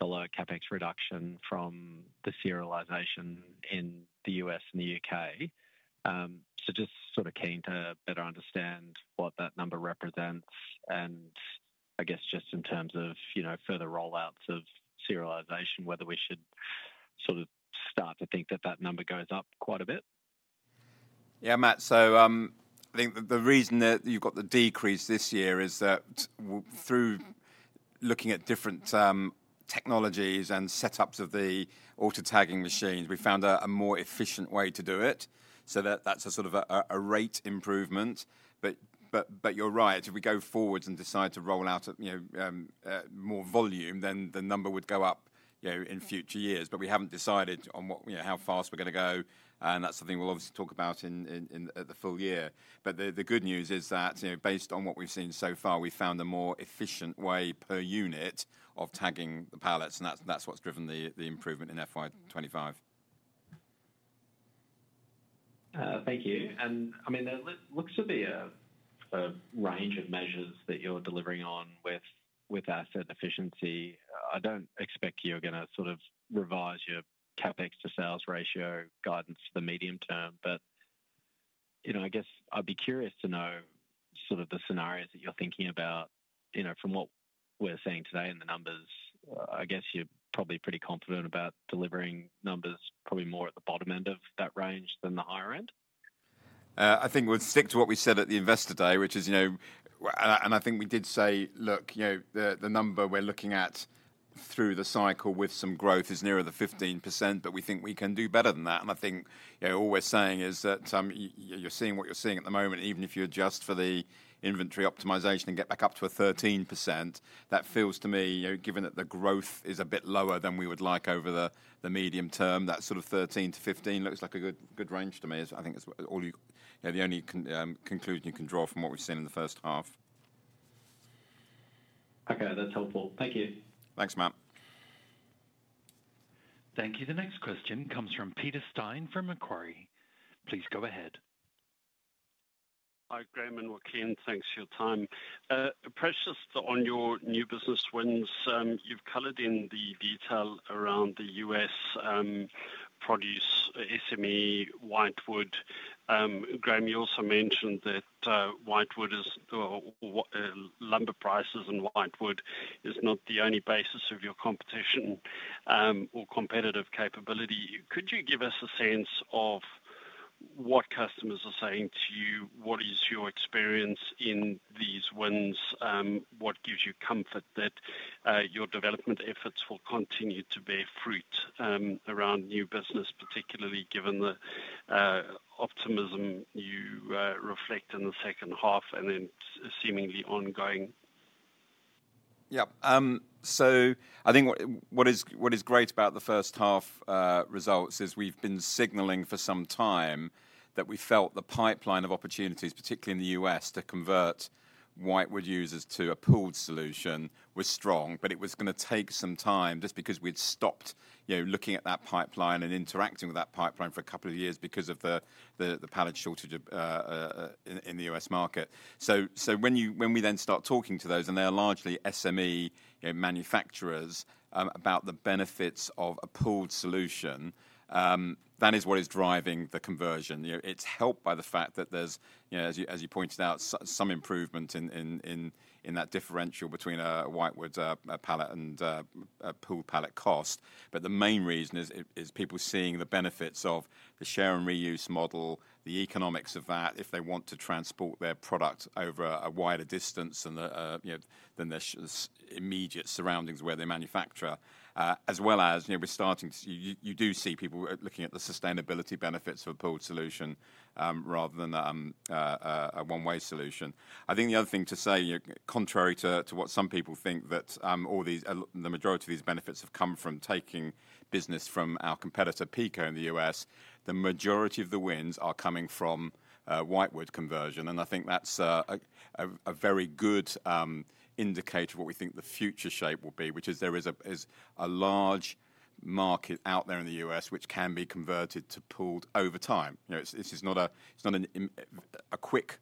CapEx reduction from the serialization in the U.S. and the U.K. So just sort of keen to better understand what that number represents and, I guess, just in terms of further rollouts of serialization, whether we should sort of start to think that that number goes up quite a bit? Yeah, Matt. So I think the reason that you've got the decrease this year is that through looking at different technologies and setups of the auto tagging machines, we found a more efficient way to do it. So that's a sort of a rate improvement. But you're right, if we go forwards and decide to roll out more volume, then the number would go up in future years. But we haven't decided on how fast we're going to go. And that's something we'll obviously talk about at the full year. But the good news is that based on what we've seen so far, we found a more efficient way per unit of tagging the pallets. And that's what's driven the improvement in FY 2025. Thank you. And I mean, look at the range of measures that you're delivering on with asset efficiency. I don't expect you're going to sort of revise your CapEx to sales ratio guidance for medium term. But I guess I'd be curious to know sort of the scenarios that you're thinking about from what we're seeing today and the numbers. I guess you're probably pretty confident about delivering numbers probably more at the bottom end of that range than the higher end. I think we'll stick to what we said at the investor day, which is, and I think we did say, look, the number we're looking at through the cycle with some growth is nearer the 15%, but we think we can do better than that. And I think all we're saying is that you're seeing what you're seeing at the moment, even if you adjust for the inventory optimization and get back up to a 13%, that feels to me, given that the growth is a bit lower than we would like over the medium term, that sort of 13%-15% looks like a good range to me. I think it's the only conclusion you can draw from what we've seen in the H1. Okay, that's helpful. Thank you. Thanks, Matt. Thank you. The next question comes from Peter Steyn from Macquarie. Please go ahead. Hi, Graham and Joaquin. Thanks for your time. Progress on your new business wins, you've colored in the detail around the U.S. produce, SME, white wood. Graham, you also mentioned that white wood is lumber prices and white wood is not the only basis of your competition or competitive capability. Could you give us a sense of what customers are saying to you? What is your experience in these wins? What gives you comfort that your development efforts will continue to bear fruit around new business, particularly given the optimism you reflect in the H2 and then seemingly ongoing? Yeah.So I think what is great about the H1 results is we've been signaling for some time that we felt the pipeline of opportunities, particularly in the U.S., to convert whitewood users to a pooled solution was strong, but it was going to take some time just because we'd stopped looking at that pipeline and interacting with that pipeline for a couple of years because of the pallet shortage in the U.S. market. So when we then start talking to those, and they're largely SME manufacturers, about the benefits of a pooled solution, that is what is driving the conversion. It's helped by the fact that there's, as you pointed out, some improvement in that differential between a whitewood pallet and a pooled pallet cost. But the main reason is people seeing the benefits of the Share and Reuse model, the economics of that, if they want to transport their product over a wider distance than their immediate surroundings where they manufacture, as well as we're starting to, you do see people looking at the sustainability benefits of a pooled solution rather than a one-way solution. I think the other thing to say, contrary to what some people think, that the majority of these benefits have come from taking business from our competitor PECO in the US, the majority of the wins are coming from whitewood conversion. And I think that's a very good indicator of what we think the future shape will be, which is there is a large market out there in the U.S. which can be converted to pooled over time. This is not a quick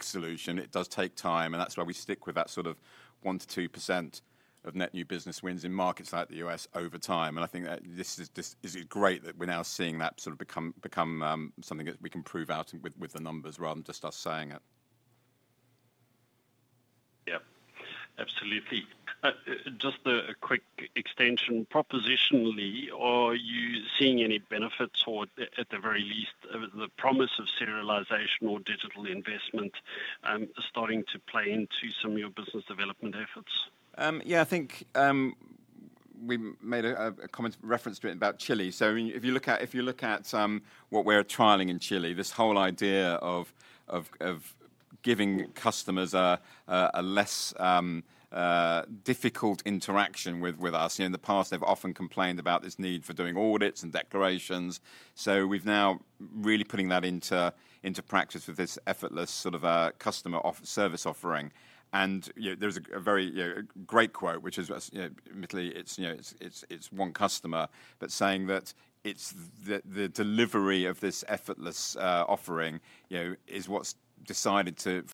solution. It does take time. That's why we stick with that sort of 1%-2% of net new business wins in markets like the U.S. over time. I think this is great that we're now seeing that sort of become something that we can prove out with the numbers rather than just us saying it. Yeah, absolutely. Just a quick extension. Propositionally, are you seeing any benefits or, at the very least, the promise of serialization or digital investment starting to play into some of your business development efforts? Yeah, I think we made a comment reference to it about Chile. So if you look at what we're trialing in Chile, this whole idea of giving customers a less difficult interaction with us. In the past, they've often complained about this need for doing audits and declarations. So we've now really putting that into practice with this effortless sort of customer service offering. And there's a very great quote, which is admittedly, it's one customer, but saying that the delivery of this effortless offering is what's decided to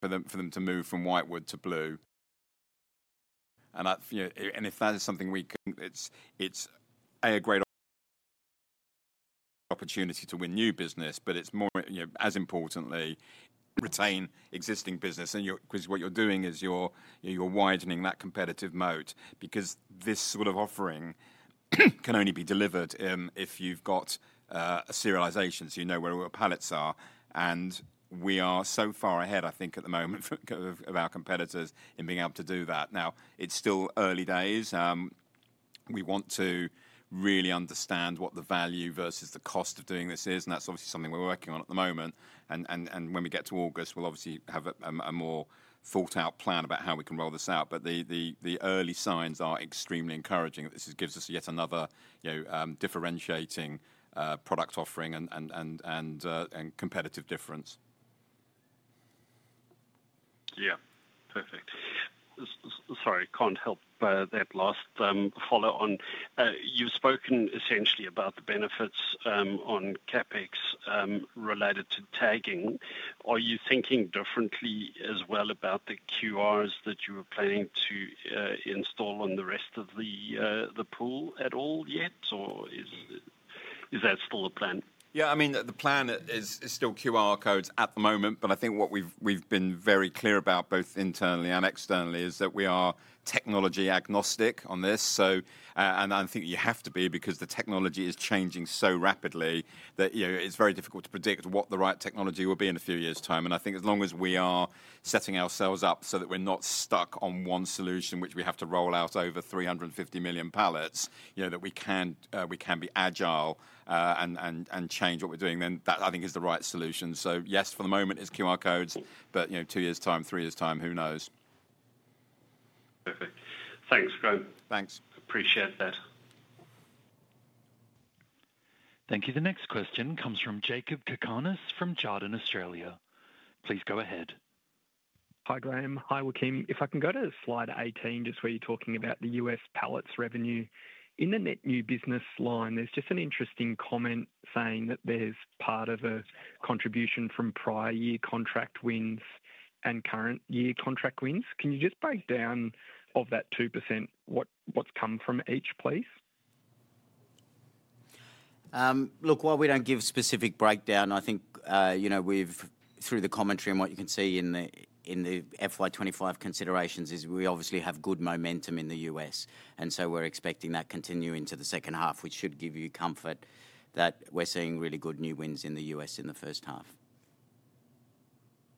for them to move from whitewood to blue. And if that is something we can, it's a great opportunity to win new business, but it's more, as importantly, retain existing business. Because what you're doing is you're widening that competitive moat because this sort of offering can only be delivered if you've got serialization, so you know where all the pallets are. And we are so far ahead, I think, at the moment of our competitors in being able to do that. Now, it's still early days. We want to really understand what the value versus the cost of doing this is. And that's obviously something we're working on at the moment. And when we get to August, we'll obviously have a more thought-out plan about how we can roll this out. But the early signs are extremely encouraging. This gives us yet another differentiating product offering and competitive difference. Yeah, perfect. Sorry, can't help that last follow-on. You've spoken essentially about the benefits on CapEx related to tagging. Are you thinking differently as well about the QRs that you were planning to install on the rest of the pool at all yet? Or is that still the plan? Yeah, I mean, the plan is still QR codes at the moment. But I think what we've been very clear about both internally and externally is that we are technology agnostic on this. I think you have to be because the technology is changing so rapidly that it's very difficult to predict what the right technology will be in a few years' time. And I think as long as we are setting ourselves up so that we're not stuck on one solution, which we have to roll out over 350 million pallets, that we can be agile and change what we're doing, then that, I think, is the right solution. So yes, for the moment, it's QR codes. But two years' time, three years' time, who knows? Perfect. Thanks, Graham. Thanks. Appreciate that. Thank you. The next question comes from Jakob Cakarnis from Jarden Australia. Please go ahead. Hi, Graham. Hi, Joaquin.If I can go to slide 18, just where you're talking about the U.S. pallets revenue, in the net new business line, there's just an interesting comment saying that there's part of a contribution from prior year contract wins and current year contract wins. Can you just break down of that 2% what's come from each, please? Look, while we don't give specific breakdown, I think through the commentary and what you can see in the FY 2025 considerations is we obviously have good momentum in the U.S. And so we're expecting that continue into the H2, which should give you comfort that we're seeing really good new wins in the U.S. in the H1.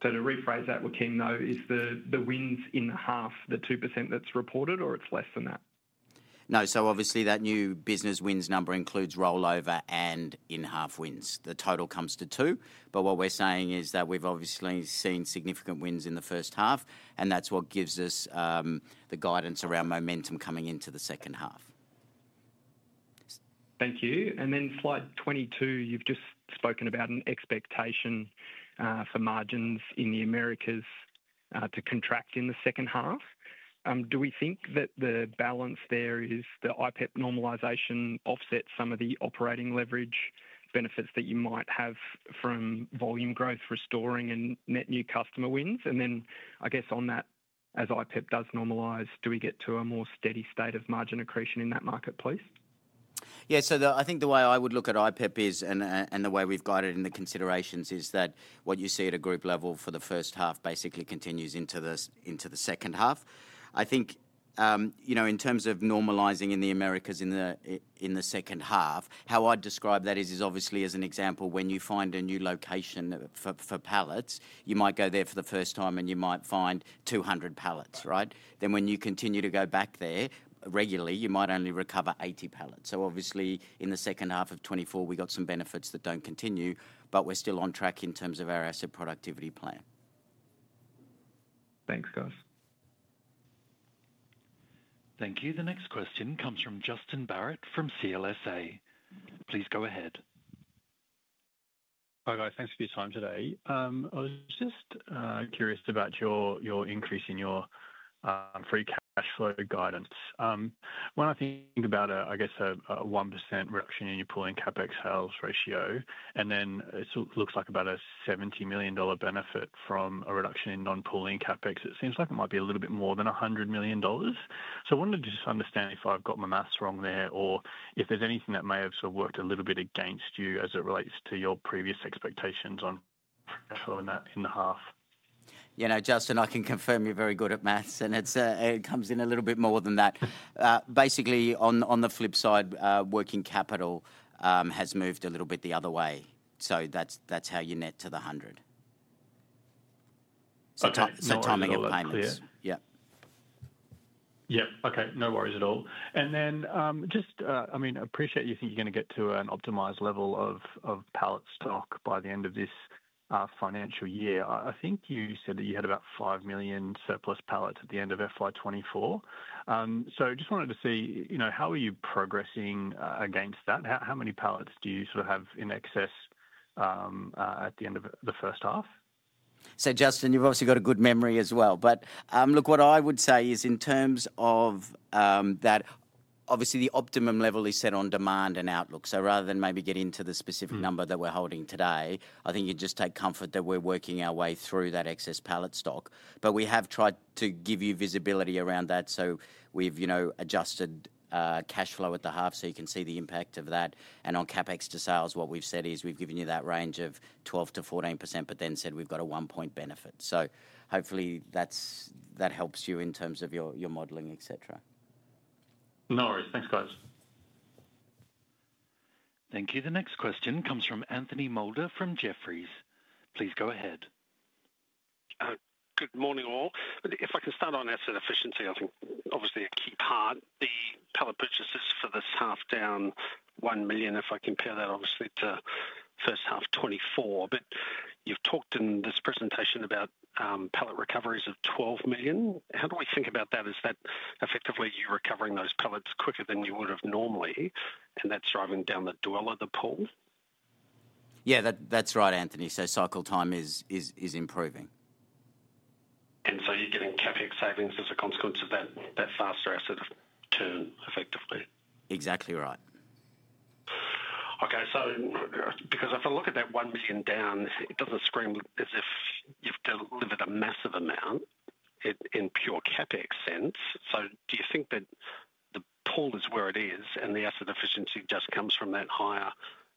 So to rephrase that, Joaquin, though, is the wins in half the 2% that's reported, or it's less than that? No. So obviously, that new business wins number includes rollover and in-half wins. The total comes to two. But what we're saying is that we've obviously seen significant wins in the H1. And that's what gives us the guidance around momentum coming into the H2. Thank you. And then slide 22, you've just spoken about an expectation for margins in the Americas to contract in the H2. Do we think that the balance there is the IPEP normalization offsets some of the operating leverage benefits that you might have from volume growth, restoring, and net new customer wins? And then, I guess, on that, as IPEP does normalize, do we get to a more steady state of margin accretion in that marketplace? Yeah, so I think the way I would look at IPEP is, and the way we've guided in the considerations is that what you see at a group level for the H1 basically continues into the H2. I think in terms of normalizing in the Americas in the H2, how I'd describe that is obviously, as an example, when you find a new location for pallets, you might go there for the first time and you might find 200 pallets, right? Then when you continue to go back there regularly, you might only recover 80 pallets. So obviously, in the H2 of 2024, we got some benefits that don't continue, but we're still on track in terms of our asset productivity plan. Thanks, guys. Thank you. The next question comes from Justin Barratt from CLSA. Please go ahead. Hi, guys. Thanks for your time today. I was just curious about your increase in your free cash flow guidance. When I think about, I guess, a 1% reduction in your pooling CapEx sales ratio, and then it looks like about a $70 million benefit from a reduction in non-pooling CapEx, it seems like it might be a little bit more than $100 million. So I wanted to just understand if I've got my math wrong there or if there's anything that may have sort of worked a little bit against you as it relates to your previous expectations on cash flow in the half. You know, Justin, I can confirm you're very good at math, and it comes in a little bit more than that. Basically, on the flip side, working capital has moved a little bit the other way. So that's how you net to the 100. So timing of payments. Yeah. Yeah. Okay. No worries at all. And then just, I mean, appreciate you think you're going to get to an optimized level of pallet stock by the end of this financial year. I think you said that you had about 5 million surplus pallets at the end of FY 2024. So I just wanted to see how are you progressing against that? How many pallets do you sort of have in excess at the end of the H1? So, Justin, you've obviously got a good memory as well. But look, what I would say is in terms of that, obviously, the optimum level is set on demand and outlook. So rather than maybe get into the specific number that we're holding today, I think you just take comfort that we're working our way through that excess pallet stock. But we have tried to give you visibility around that. So we've adjusted cash flow at the half so you can see the impact of that. And on CapEx to sales, what we've said is we've given you that range of 12%-14%, but then said we've got a one-point benefit. So hopefully that helps you in terms of your modeling, et cetera. No worries. Thanks, guys. Thank you. The next question comes from Anthony Moulder from Jefferies. Please go ahead. Good morning, all. If I can start on asset efficiency, I think obviously a key part, the pallet purchases for this half down 1 million, if I compare that obviously to H1 2024. But you've talked in this presentation about pallet recoveries of 12 million. How do we think about that? Is that effectively you recovering those pallets quicker than you would have normally? And that's driving down the dwell of the pool? Yeah, that's right, Anthony.Cycle time is improving. And so you're getting CapEx savings as a consequence of that faster asset turn effectively. Exactly right. Okay. So because if I look at that $1 million down, it doesn't scream as if you've delivered a massive amount in pure CapEx sense. So do you think that the pool is where it is and the asset efficiency just comes from that higher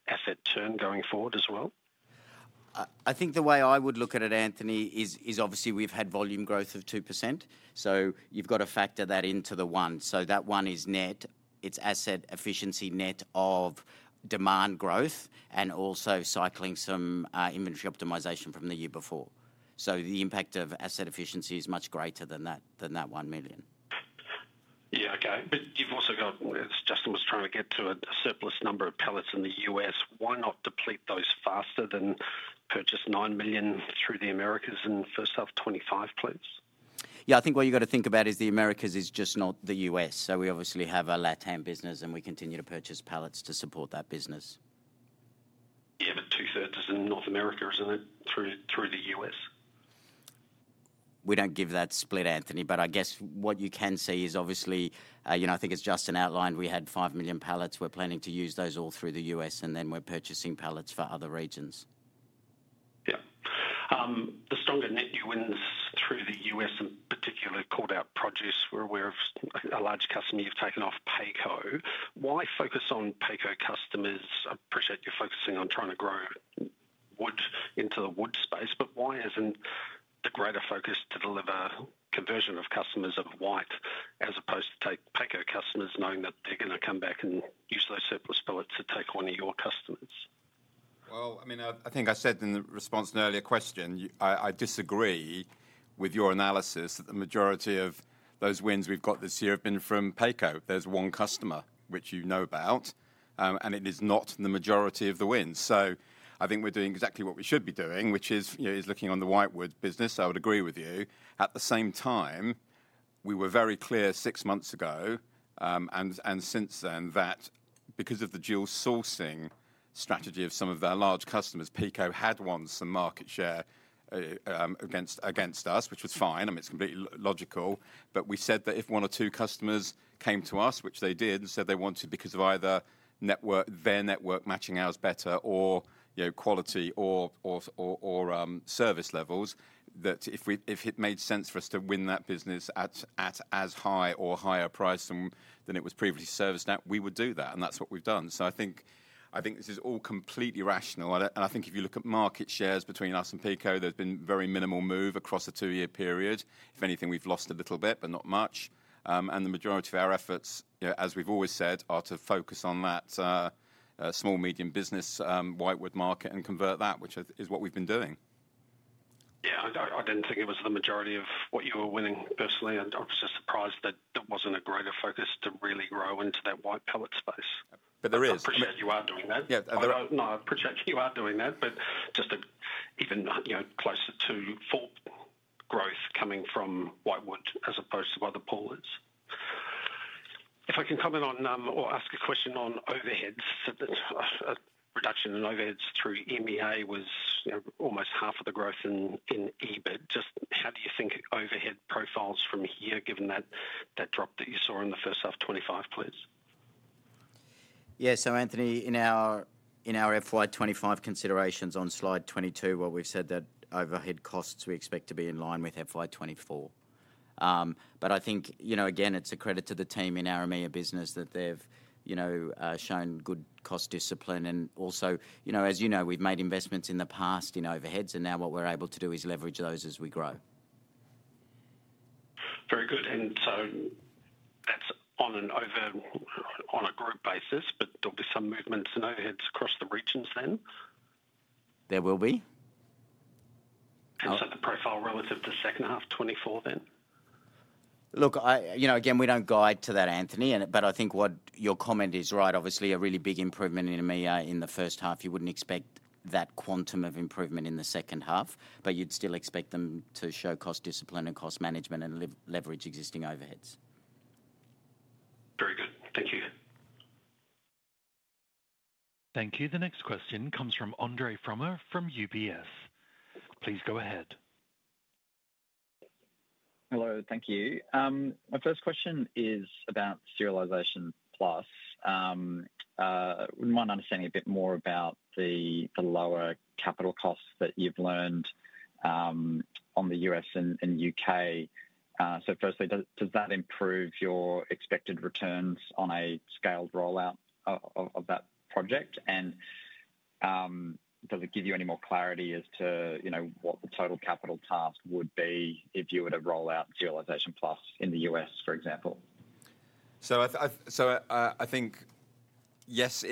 asset turn going forward as well? I think the way I would look at it, Anthony, is obviously we've had volume growth of 2%. So you've got to factor that into the one. So that one is net. It's asset efficiency net of demand growth and also cycling some inventory optimization from the year before. So the impact of asset efficiency is much greater than that $1 million. Yeah, okay. But you've also got, as Justin was trying to get to, a surplus number of pallets in the U.S.. Why not deplete those faster than purchase 9 million through the Americas in H1 2025, please? Yeah, I think what you've got to think about is the Americas is just not the U.S. So we obviously have a Latin American business and we continue to purchase pallets to support that business. Yeah, but two-thirds is in North America, isn't it, through the U.S.? We don't give that split, Anthony. But I guess what you can see is obviously, I think as Justin outlined, we had 5 million pallets. We're planning to use those all through the U.S. and then we're purchasing pallets for other regions. Yeah. The stronger net new wins through the U.S., in particular, called out produce. We're aware of a large customer you've taken off PECO. Why focus on PECO customers? I appreciate you're focusing on trying to grow wood into the wood space, but why isn't the greater focus to deliver conversion of customers of whitewood as opposed to take PECO customers knowing that they're going to come back and use those surplus pallets to take one of your customers? I mean, I think I said in the response to an earlier question, I disagree with your analysis that the majority of those wins we've got this year have been from PECO. There's one customer, which you know about, and it is not the majority of the wins. So I think we're doing exactly what we should be doing, which is looking on the whitewood business. I would agree with you. At the same time, we were very clear six months ago and since then that because of the dual sourcing strategy of some of our large customers, PECO had won some market share against us, which was fine. I mean, it's completely logical. But we said that if one or two customers came to us, which they did, said they wanted because of either their network matching ours better or quality or service levels, that if it made sense for us to win that business at as high or higher price than it was previously serviced at, we would do that. And that's what we've done. So I think this is all completely rational. And I think if you look at market shares between us and PECO, there's been very minimal move across a two-year period. If anything, we've lost a little bit, but not much. The majority of our efforts, as we've always said, are to focus on that small medium business whitewood market and convert that, which is what we've been doing. Yeah, I didn't think it was the majority of what you were winning personally. I was just surprised that there wasn't a greater focus to really grow into that whitewood pallet space. But there is. I appreciate you are doing that. Yeah. No, I appreciate you are doing that, but just even closer to full growth coming from whitewood as opposed to other poolers. If I can comment on or ask a question on overheads, a reduction in overheads in EMEA was almost half of the growth in EBIT. Just how do you think overhead profiles from here, given that drop that you saw in the H1 2025, please? Yeah, so Anthony, in our FY 2025 considerations on slide 22, well, we've said that overhead costs we expect to be in line with FY 2024. But I think, again, it's a credit to the team in our MEA business that they've shown good cost discipline. And also, as you know, we've made investments in the past in overheads, and now what we're able to do is leverage those as we grow. Very good. And so that's on a group basis, but there'll be some movements in overheads across the regions then. There will be. And so the profile relative to H2 2024 then? Look, again, we don't guide to that, Anthony, but I think what your comment is right. Obviously, a really big improvement in MEA in the H1. You wouldn't expect that quantum of improvement in the H2, but you'd still expect them to show cost discipline and cost management and leverage existing overheads. Very good. Thank you. Thank you. The next question comes from Andre Fromyhr from UBS. Please go ahead. Hello. Thank you. My first question is about Serialization Plus. I wouldn't mind understanding a bit more about the lower capital costs that you've incurred on the U.S. and U.K. So firstly, does that improve your expected returns on a scaled rollout of that project? And does it give you any more clarity as to what the total capital cost would be if you were to rollout Serialization Plus in the U.S., for example? So I think, yes,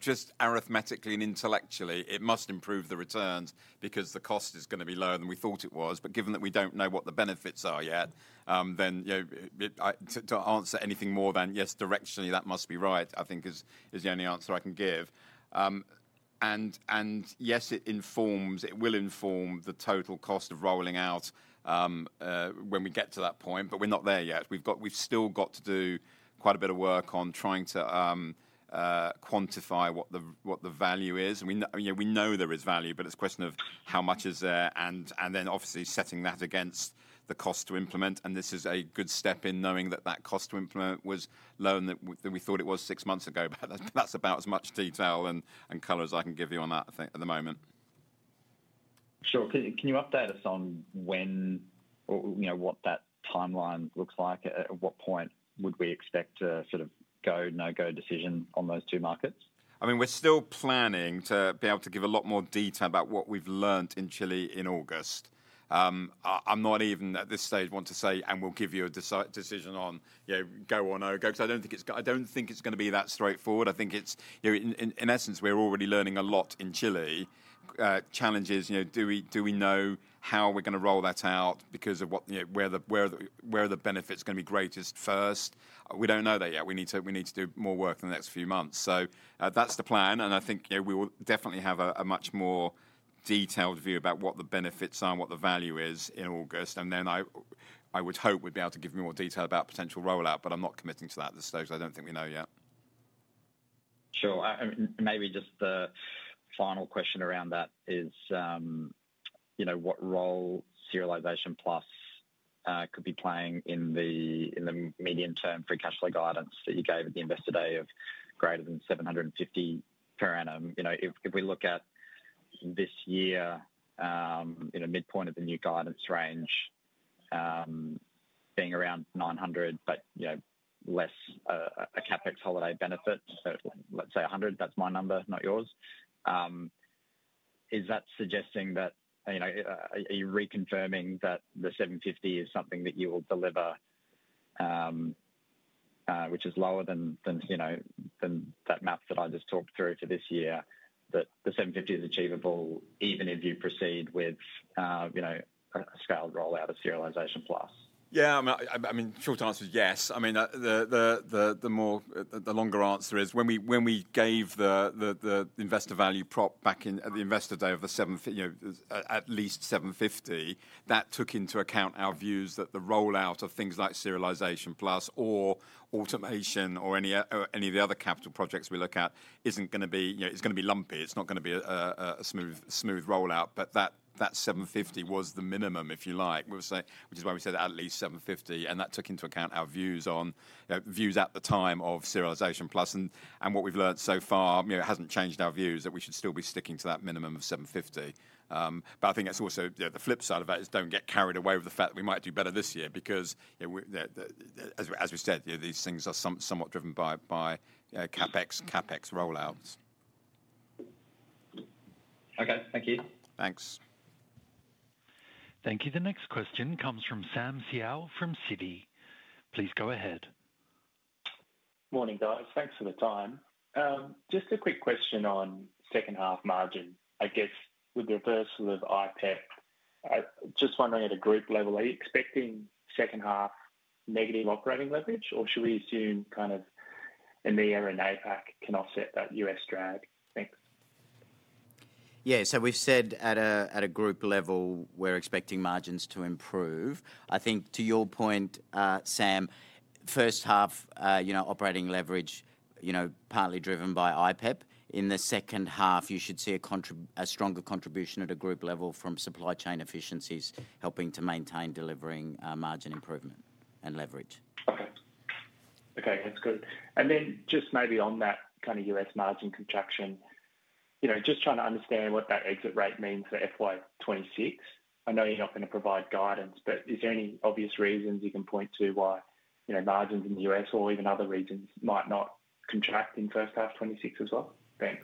just arithmetically and intellectually, it must improve the returns because the cost is going to be lower than we thought it was. But given that we don't know what the benefits are yet, then to answer anything more than, yes, directionally, that must be right, I think is the only answer I can give. And yes, it informs, it will inform the total cost of rolling out when we get to that point, but we're not there yet. We've still got to do quite a bit of work on trying to quantify what the value is. We know there is value, but it's a question of how much is there, and then obviously setting that against the cost to implement. And this is a good step in knowing that that cost to implement was low and that we thought it was six months ago. But that's about as much detail and color as I can give you on that at the moment. Sure.Can you update us on what that timeline looks like? At what point would we expect a sort of go, no-go decision on those two markets? I mean, we're still planning to be able to give a lot more detail about what we've learned in Chile in August. I'm not even at this stage want to say, and we'll give you a decision on go or no go, because I don't think it's going to be that straightforward. I think in essence, we're already learning a lot in Chile. Challenge is, do we know how we're going to roll that out because of where the benefit's going to be greatest first? We don't know that yet. We need to do more work in the next few months, so that's the plan. I think we will definitely have a much more detailed view about what the benefits are, what the value is in August. And then I would hope we'd be able to give you more detail about potential rollout, but I'm not committing to that at this stage. I don't think we know yet. Sure. Maybe just the final question around that is what role Serialization Plus could be playing in the medium-term free cash flow guidance that you gave at the investor day of greater than $750 million per annum. If we look at this year, midpoint of the new guidance range being around $900 million, but less a CapEx holiday benefit, let's say $100 million, that's my number, not yours. Is that suggesting that are you reconfirming that the 750 million is something that you will deliver, which is lower than that math that I just talked through for this year, that the 750 million is achievable even if you proceed with a scaled rollout of Serialization Plus? Yeah. I mean, short answer is yes. I mean, the longer answer is when we gave the investor value prop back at the investor day of at least 750 million, that took into account our views that the rollout of things like Serialization Plus or automation or any of the other capital projects we look at isn't going to be it's going to be lumpy. It's not going to be a smooth rollout. But that 750 million was the minimum, if you like, which is why we said at least 750 million. And that took into account our views at the time of Serialization Plus. What we've learned so far hasn't changed our views that we should still be sticking to that minimum of 750 million. But I think that's also the flip side of that is don't get carried away with the fact that we might do better this year because, as we said, these things are somewhat driven by CapEx rollouts. Okay. Thank you. Thanks. Thank you. The next question comes from Sam Seow from Citi. Please go ahead. Morning, guys. Thanks for the time. Just a quick question on H2 margin. I guess with the reversal of IPEP, just wondering at a group level, are you expecting H2 negative operating leverage, or should we assume kind of MEA and APAC can offset that U.S. drag? Thanks. Yeah. So we've said at a group level we're expecting margins to improve. I think to your point, Sam, H1 operating leverage partly driven by IPEP. In the H2, you should see a stronger contribution at a group level from supply chain efficiencies helping to maintain delivering margin improvement and leverage. Okay. Okay. That's good. And then just maybe on that kind of U.S. margin contraction, just trying to understand what that exit rate means for FY 2026. I know you're not going to provide guidance, but is there any obvious reasons you can point to why margins in the U.S. or even other regions might not contract in H1 2026 as well? Thanks.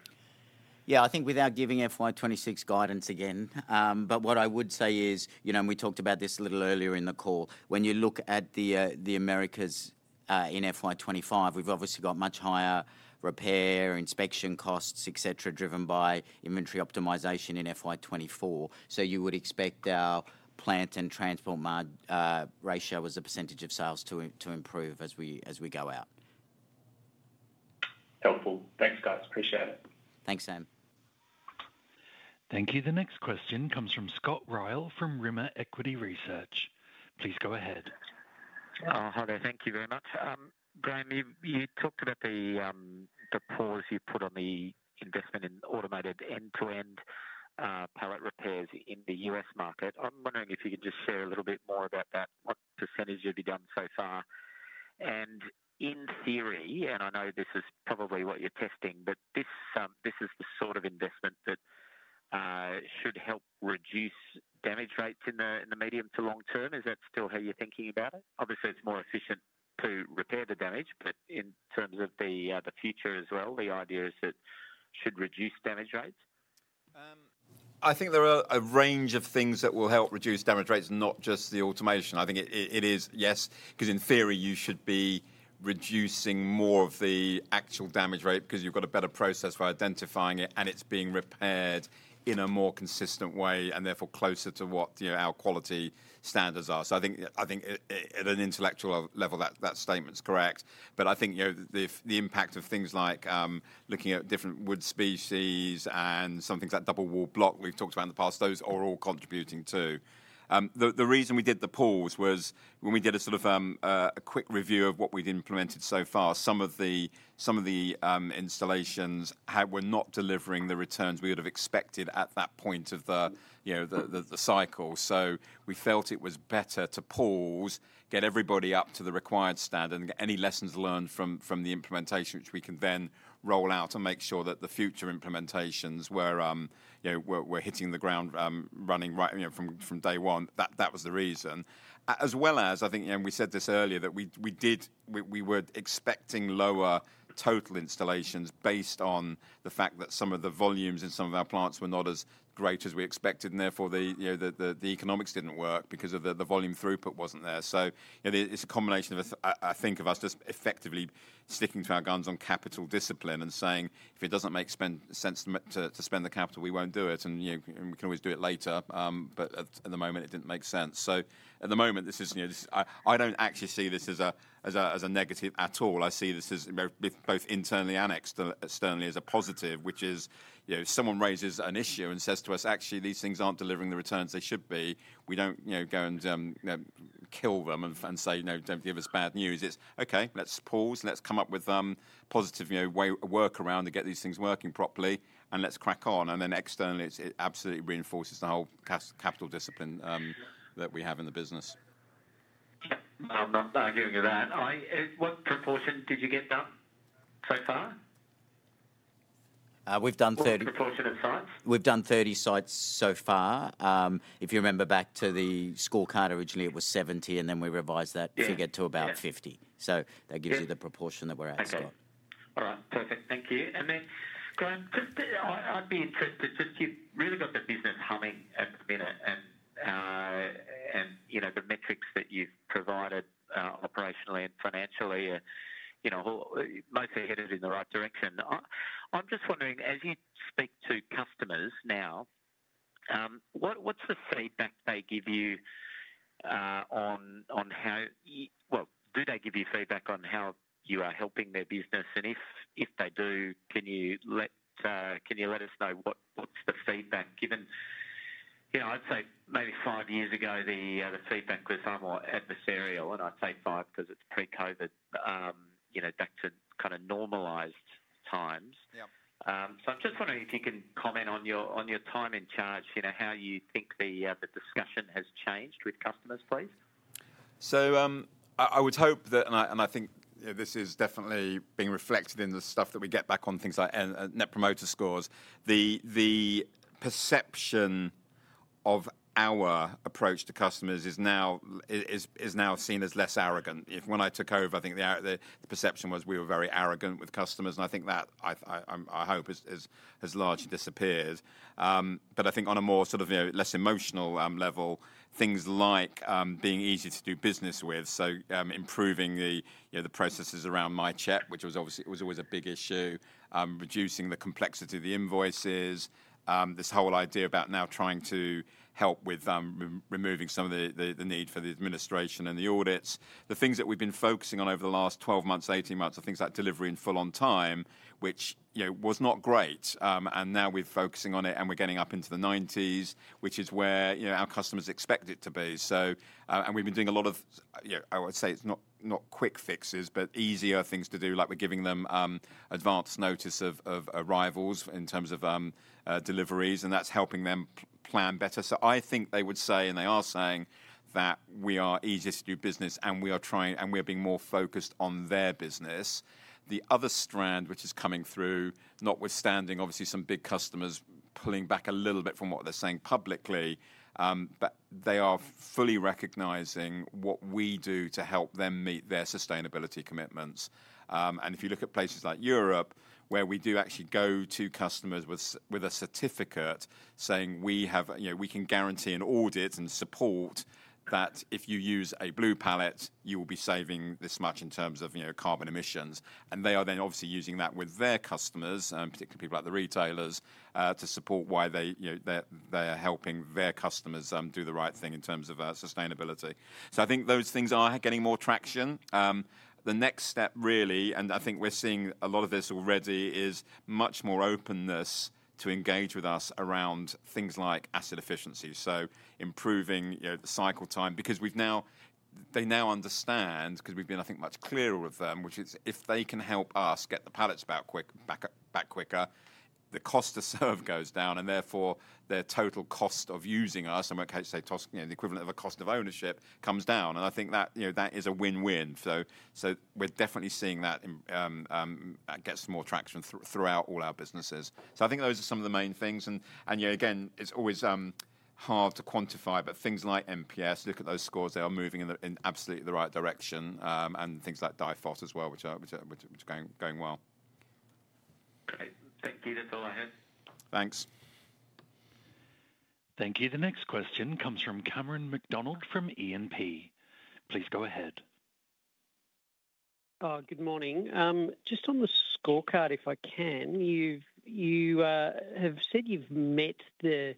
Yeah. I think without giving FY 2026 guidance again. But what I would say is, and we talked about this a little earlier in the call, when you look at the Americas in FY 2025, we've obviously got much higher repair, inspection costs, etc., driven by inventory optimization in FY 2024. So you would expect our plant and transport ratio as a percentage of sales to improve as we go out. Helpful. Thanks, guys. Appreciate it. Thanks, Sam. Thank you.the next question comes from Scott Ryall from Rimor Equity Research. Please go ahead. Hi, there. Thank you very much. Graham, you talked about the pause you put on the investment in automated end-to-end pallet repairs in the U.S. market. I'm wondering if you could just share a little bit more about that, what percentage you've done so far. And in theory, and I know this is probably what you're testing, but this is the sort of investment that should help reduce damage rates in the medium to long term. Is that still how you're thinking about it? Obviously, it's more efficient to repair the damage, but in terms of the future as well, the idea is that it should reduce damage rates? I think there are a range of things that will help reduce damage rates, not just the automation. I think it is, yes, because in theory, you should be reducing more of the actual damage rate because you've got a better process for identifying it, and it's being repaired in a more consistent way and therefore closer to what our quality standards are. So I think at an intellectual level, that statement's correct. But I think the impact of things like looking at different wood species and some things like double wall block we've talked about in the past, those are all contributing too. The reason we did the pause was when we did a sort of quick review of what we'd implemented so far, some of the installations were not delivering the returns we would have expected at that point of the cycle. So we felt it was better to pause, get everybody up to the required standard, and get any lessons learned from the implementation, which we can then roll out and make sure that the future implementations were hitting the ground running from day one. That was the reason. As well as, I think, and we said this earlier, that we were expecting lower total installations based on the fact that some of the volumes in some of our plants were not as great as we expected, and therefore the economics didn't work because the volume throughput wasn't there. So it's a combination, I think, of us just effectively sticking to our guns on capital discipline and saying, If it doesn't make sense to spend the capital, we won't do it, and we can always do it later. But at the moment, it didn't make sense. So at the moment, I don't actually see this as a negative at all. I see this as both internally and externally as a positive, which is someone raises an issue and says to us, Actually, these things aren't delivering the returns they should be. We don't go and kill them and say, Don't give us bad news. It's, Okay, let's pause. Let's come up with positive workaround to get these things working properly, and let's crack on. And then externally, it absolutely reinforces the whole capital discipline that we have in the business. I'm not giving you that. What proportion did you get done so far? We've done 30. What proportion of sites? We've done 30 sites so far. If you remember back to the scorecard originally, it was 70, and then we revised that figure to about 50. So that gives you the proportion that we're at. Okay.All right. Perfect. Thank you. Then, Graham, I'd be interested. Just you've really got the business humming at the minute, and the metrics that you've provided operationally and financially are mostly headed in the right direction. I'm just wondering, as you speak to customers now, what's the feedback they give you on how well do they give you feedback on how you are helping their business? And if they do, can you let us know what's the feedback? Given I'd say maybe five years ago, the feedback was far more adversarial. And I'd say five because it's pre-COVID, back to kind of normalized times. So I'm just wondering if you can comment on your time in charge, how you think the discussion has changed with customers, please. So I would hope that, and I think this is definitely being reflected in the stuff that we get back on things like Net Promoter scores, the perception of our approach to customers is now seen as less arrogant. When I took over, I think the perception was we were very arrogant with customers. And I think that, I hope, has largely disappeared. But I think on a more sort of less emotional level, things like being easy to do business with, so improving the processes around myCHEP, which was always a big issue, reducing the complexity of the invoices, this whole idea about now trying to help with removing some of the need for the administration and the audits, the things that we've been focusing on over the last 12 months, 18 months are things like delivery in full on time, which was not great. And now we're focusing on it, and we're getting up into the 90s, which is where our customers expect it to be. And we've been doing a lot of, I would say it's not quick fixes, but easier things to do, like we're giving them advance notice of arrivals in terms of deliveries, and that's helping them plan better. So I think they would say, and they are saying, that we are easier to do business, and we are trying, and we are being more focused on their business. The other strand, which is coming through, notwithstanding obviously some big customers pulling back a little bit from what they're saying publicly, but they are fully recognizing what we do to help them meet their sustainability commitments. And if you look at places like Europe, where we do actually go to customers with a certificate saying we can guarantee an audit and support that if you use a Blue pallet, you will be saving this much in terms of carbon emissions. And they are then obviously using that with their customers, particularly people like the retailers, to support why they are helping their customers do the right thing in terms of sustainability. So I think those things are getting more traction. The next step, really, and I think we're seeing a lot of this already, is much more openness to engage with us around things like asset efficiency. So improving the cycle time, because they now understand, because we've been, I think, much clearer with them, which is if they can help us get the pallets back quicker, the cost of serve goes down, and therefore their total cost of using us, I might say the equivalent of a cost of ownership, comes down. And I think that is a win-win. So we're definitely seeing that gets more traction throughout all our businesses. So I think those are some of the main things. And again, it's always hard to quantify, but things like NPS, look at those scores. They are moving in absolutely the right direction. And things like DIFOT as well, which are going well. Okay. Thank you. That's all I had. Thanks. Thank you. The next question comes from Cameron McDonald from E&P. Please go ahead. Good morning. Just on the scorecard, if I can, you have said you've met the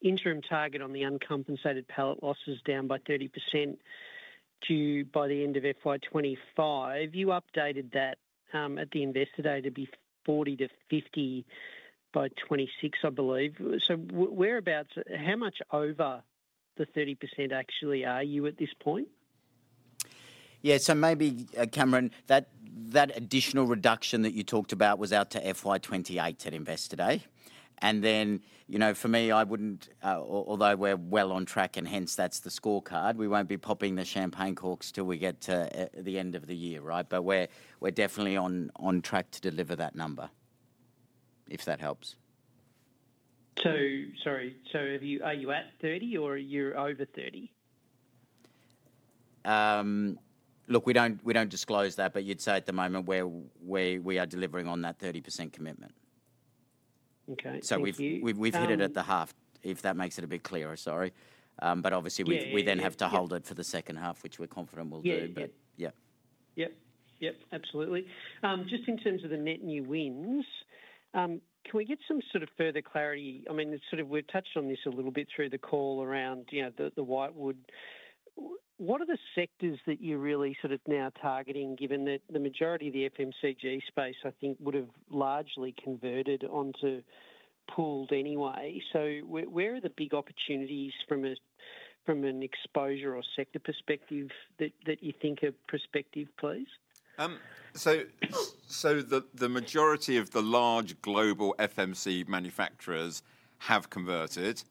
interim target on the uncompensated pallet losses down by 30% due by the end of FY 2025. You updated that at the investor day to be 40%-50% by 2026, I believe. So how much over the 30% actually are you at this point? Yeah. So maybe, Cameron, that additional reduction that you talked about was out to FY 2028 at investor day. And then for me, although we're well on track, and hence that's the scorecard, we won't be popping the champagne corks till we get to the end of the year, right? But we're definitely on track to deliver that number, if that helps. Sorry. So are you at 30% or are you over 30%? Look, we don't disclose that, but you'd say at the moment we are delivering on that 30% commitment. So we've hit it at the half, if that makes it a bit clearer. Sorry. But obviously, we then have to hold it for the H2, which we're confident we'll do. But yeah. Yep. Yep. Yep. Absolutely. Just in terms of the net new wins, can we get some sort of further clarity? I mean, sort of we've touched on this a little bit through the call around the whitewood. What are the sectors that you're really sort of now targeting, given that the majority of the FMCG space, I think, would have largely converted onto pooled anyway? So where are the big opportunities from an exposure or sector perspective that you think are prospective, please? So the majority of the large global FMCG manufacturers have converted.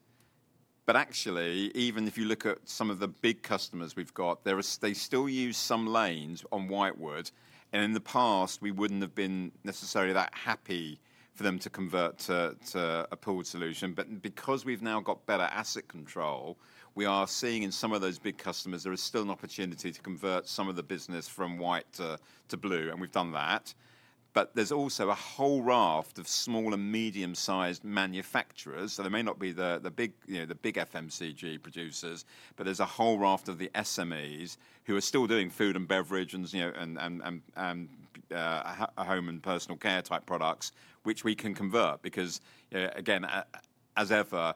But actually, even if you look at some of the big customers we've got, they still use some lanes on whitewood. And in the past, we wouldn't have been necessarily that happy for them to convert to a pooled solution. But because we've now got better asset control, we are seeing in some of those big customers, there is still an opportunity to convert some of the business from whitewood to blue. And we've done that. But there's also a whole raft of small and medium-sized manufacturers. So there may not be the big FMCG producers, but there's a whole raft of the SMEs who are still doing food and beverage and home and personal care type products, which we can convert. Because again, as ever,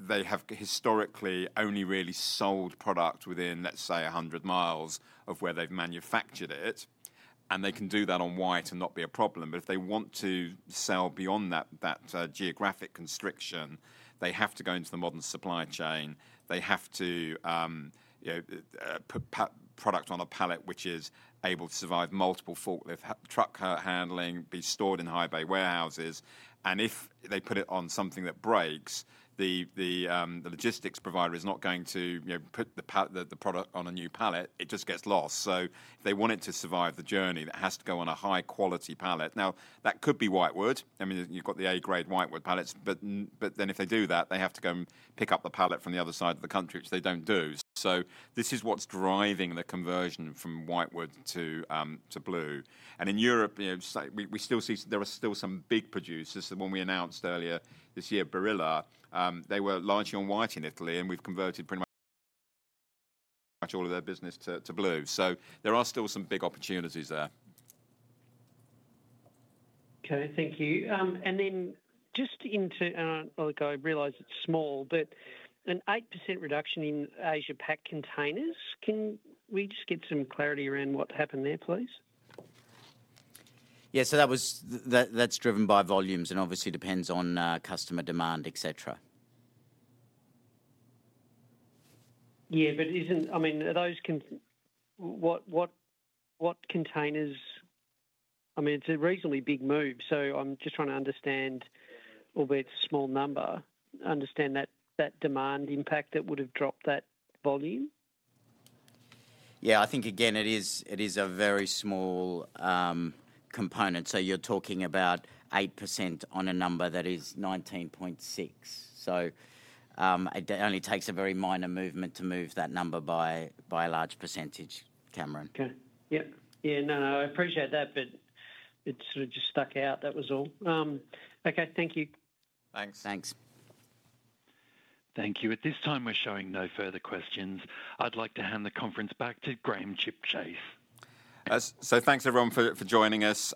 they have historically only really sold product within, let's say, 100 mi of where they've manufactured it. They can do that on white wood and not be a problem. But if they want to sell beyond that geographic restriction, they have to go into the modern supply chain. They have to put product on a pallet which is able to survive multiple forklift truck handling, be stored in high bay warehouses. And if they put it on something that breaks, the logistics provider is not going to put the product on a new pallet. It just gets lost. So they want it to survive the journey that has to go on a high-quality pallet. Now, that could be white wood. I mean, you've got the A-grade white wood pallets. But then if they do that, they have to go and pick up the pallet from the other side of the country, which they don't do. So this is what's driving the conversion from white wood to blue. And in Europe, we still see there are still some big producers. So when we announced earlier this year, Barilla, they were largely on white in Italy, and we've converted pretty much all of their business to blue. So there are still some big opportunities there. Okay. Thank you. And then just into, I realize it's small, but an 8% reduction in Asia-Pac containers. Can we just get some clarity around what happened there, please? Yeah. So that's driven by volumes and obviously depends on customer demand, et cetera. Yeah. But I mean, what containers? I mean, it's a reasonably big move. So I'm just trying to understand, albeit small number, understand that demand impact that would have dropped that volume. Yeah. I think, again, it is a very small component. So you're talking about 8% on a number that is 19.6. So it only takes a very minor movement to move that number by a large percentage, Cameron. Okay. Yep. Yeah. No, no. I appreciate that, but it sort of just stuck out. That was all. Okay. Thank you. Thanks. Thanks. Thank you. At this time, we're showing no further questions. I'd like to hand the conference back to Graham Chipchase. So thanks, everyone, for joining us.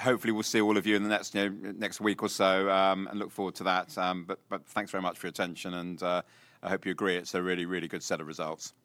Hopefully, we'll see all of you in the next week or so, and look forward to that. But thanks very much for your attention, and I hope you agree it's a really, really good set of results.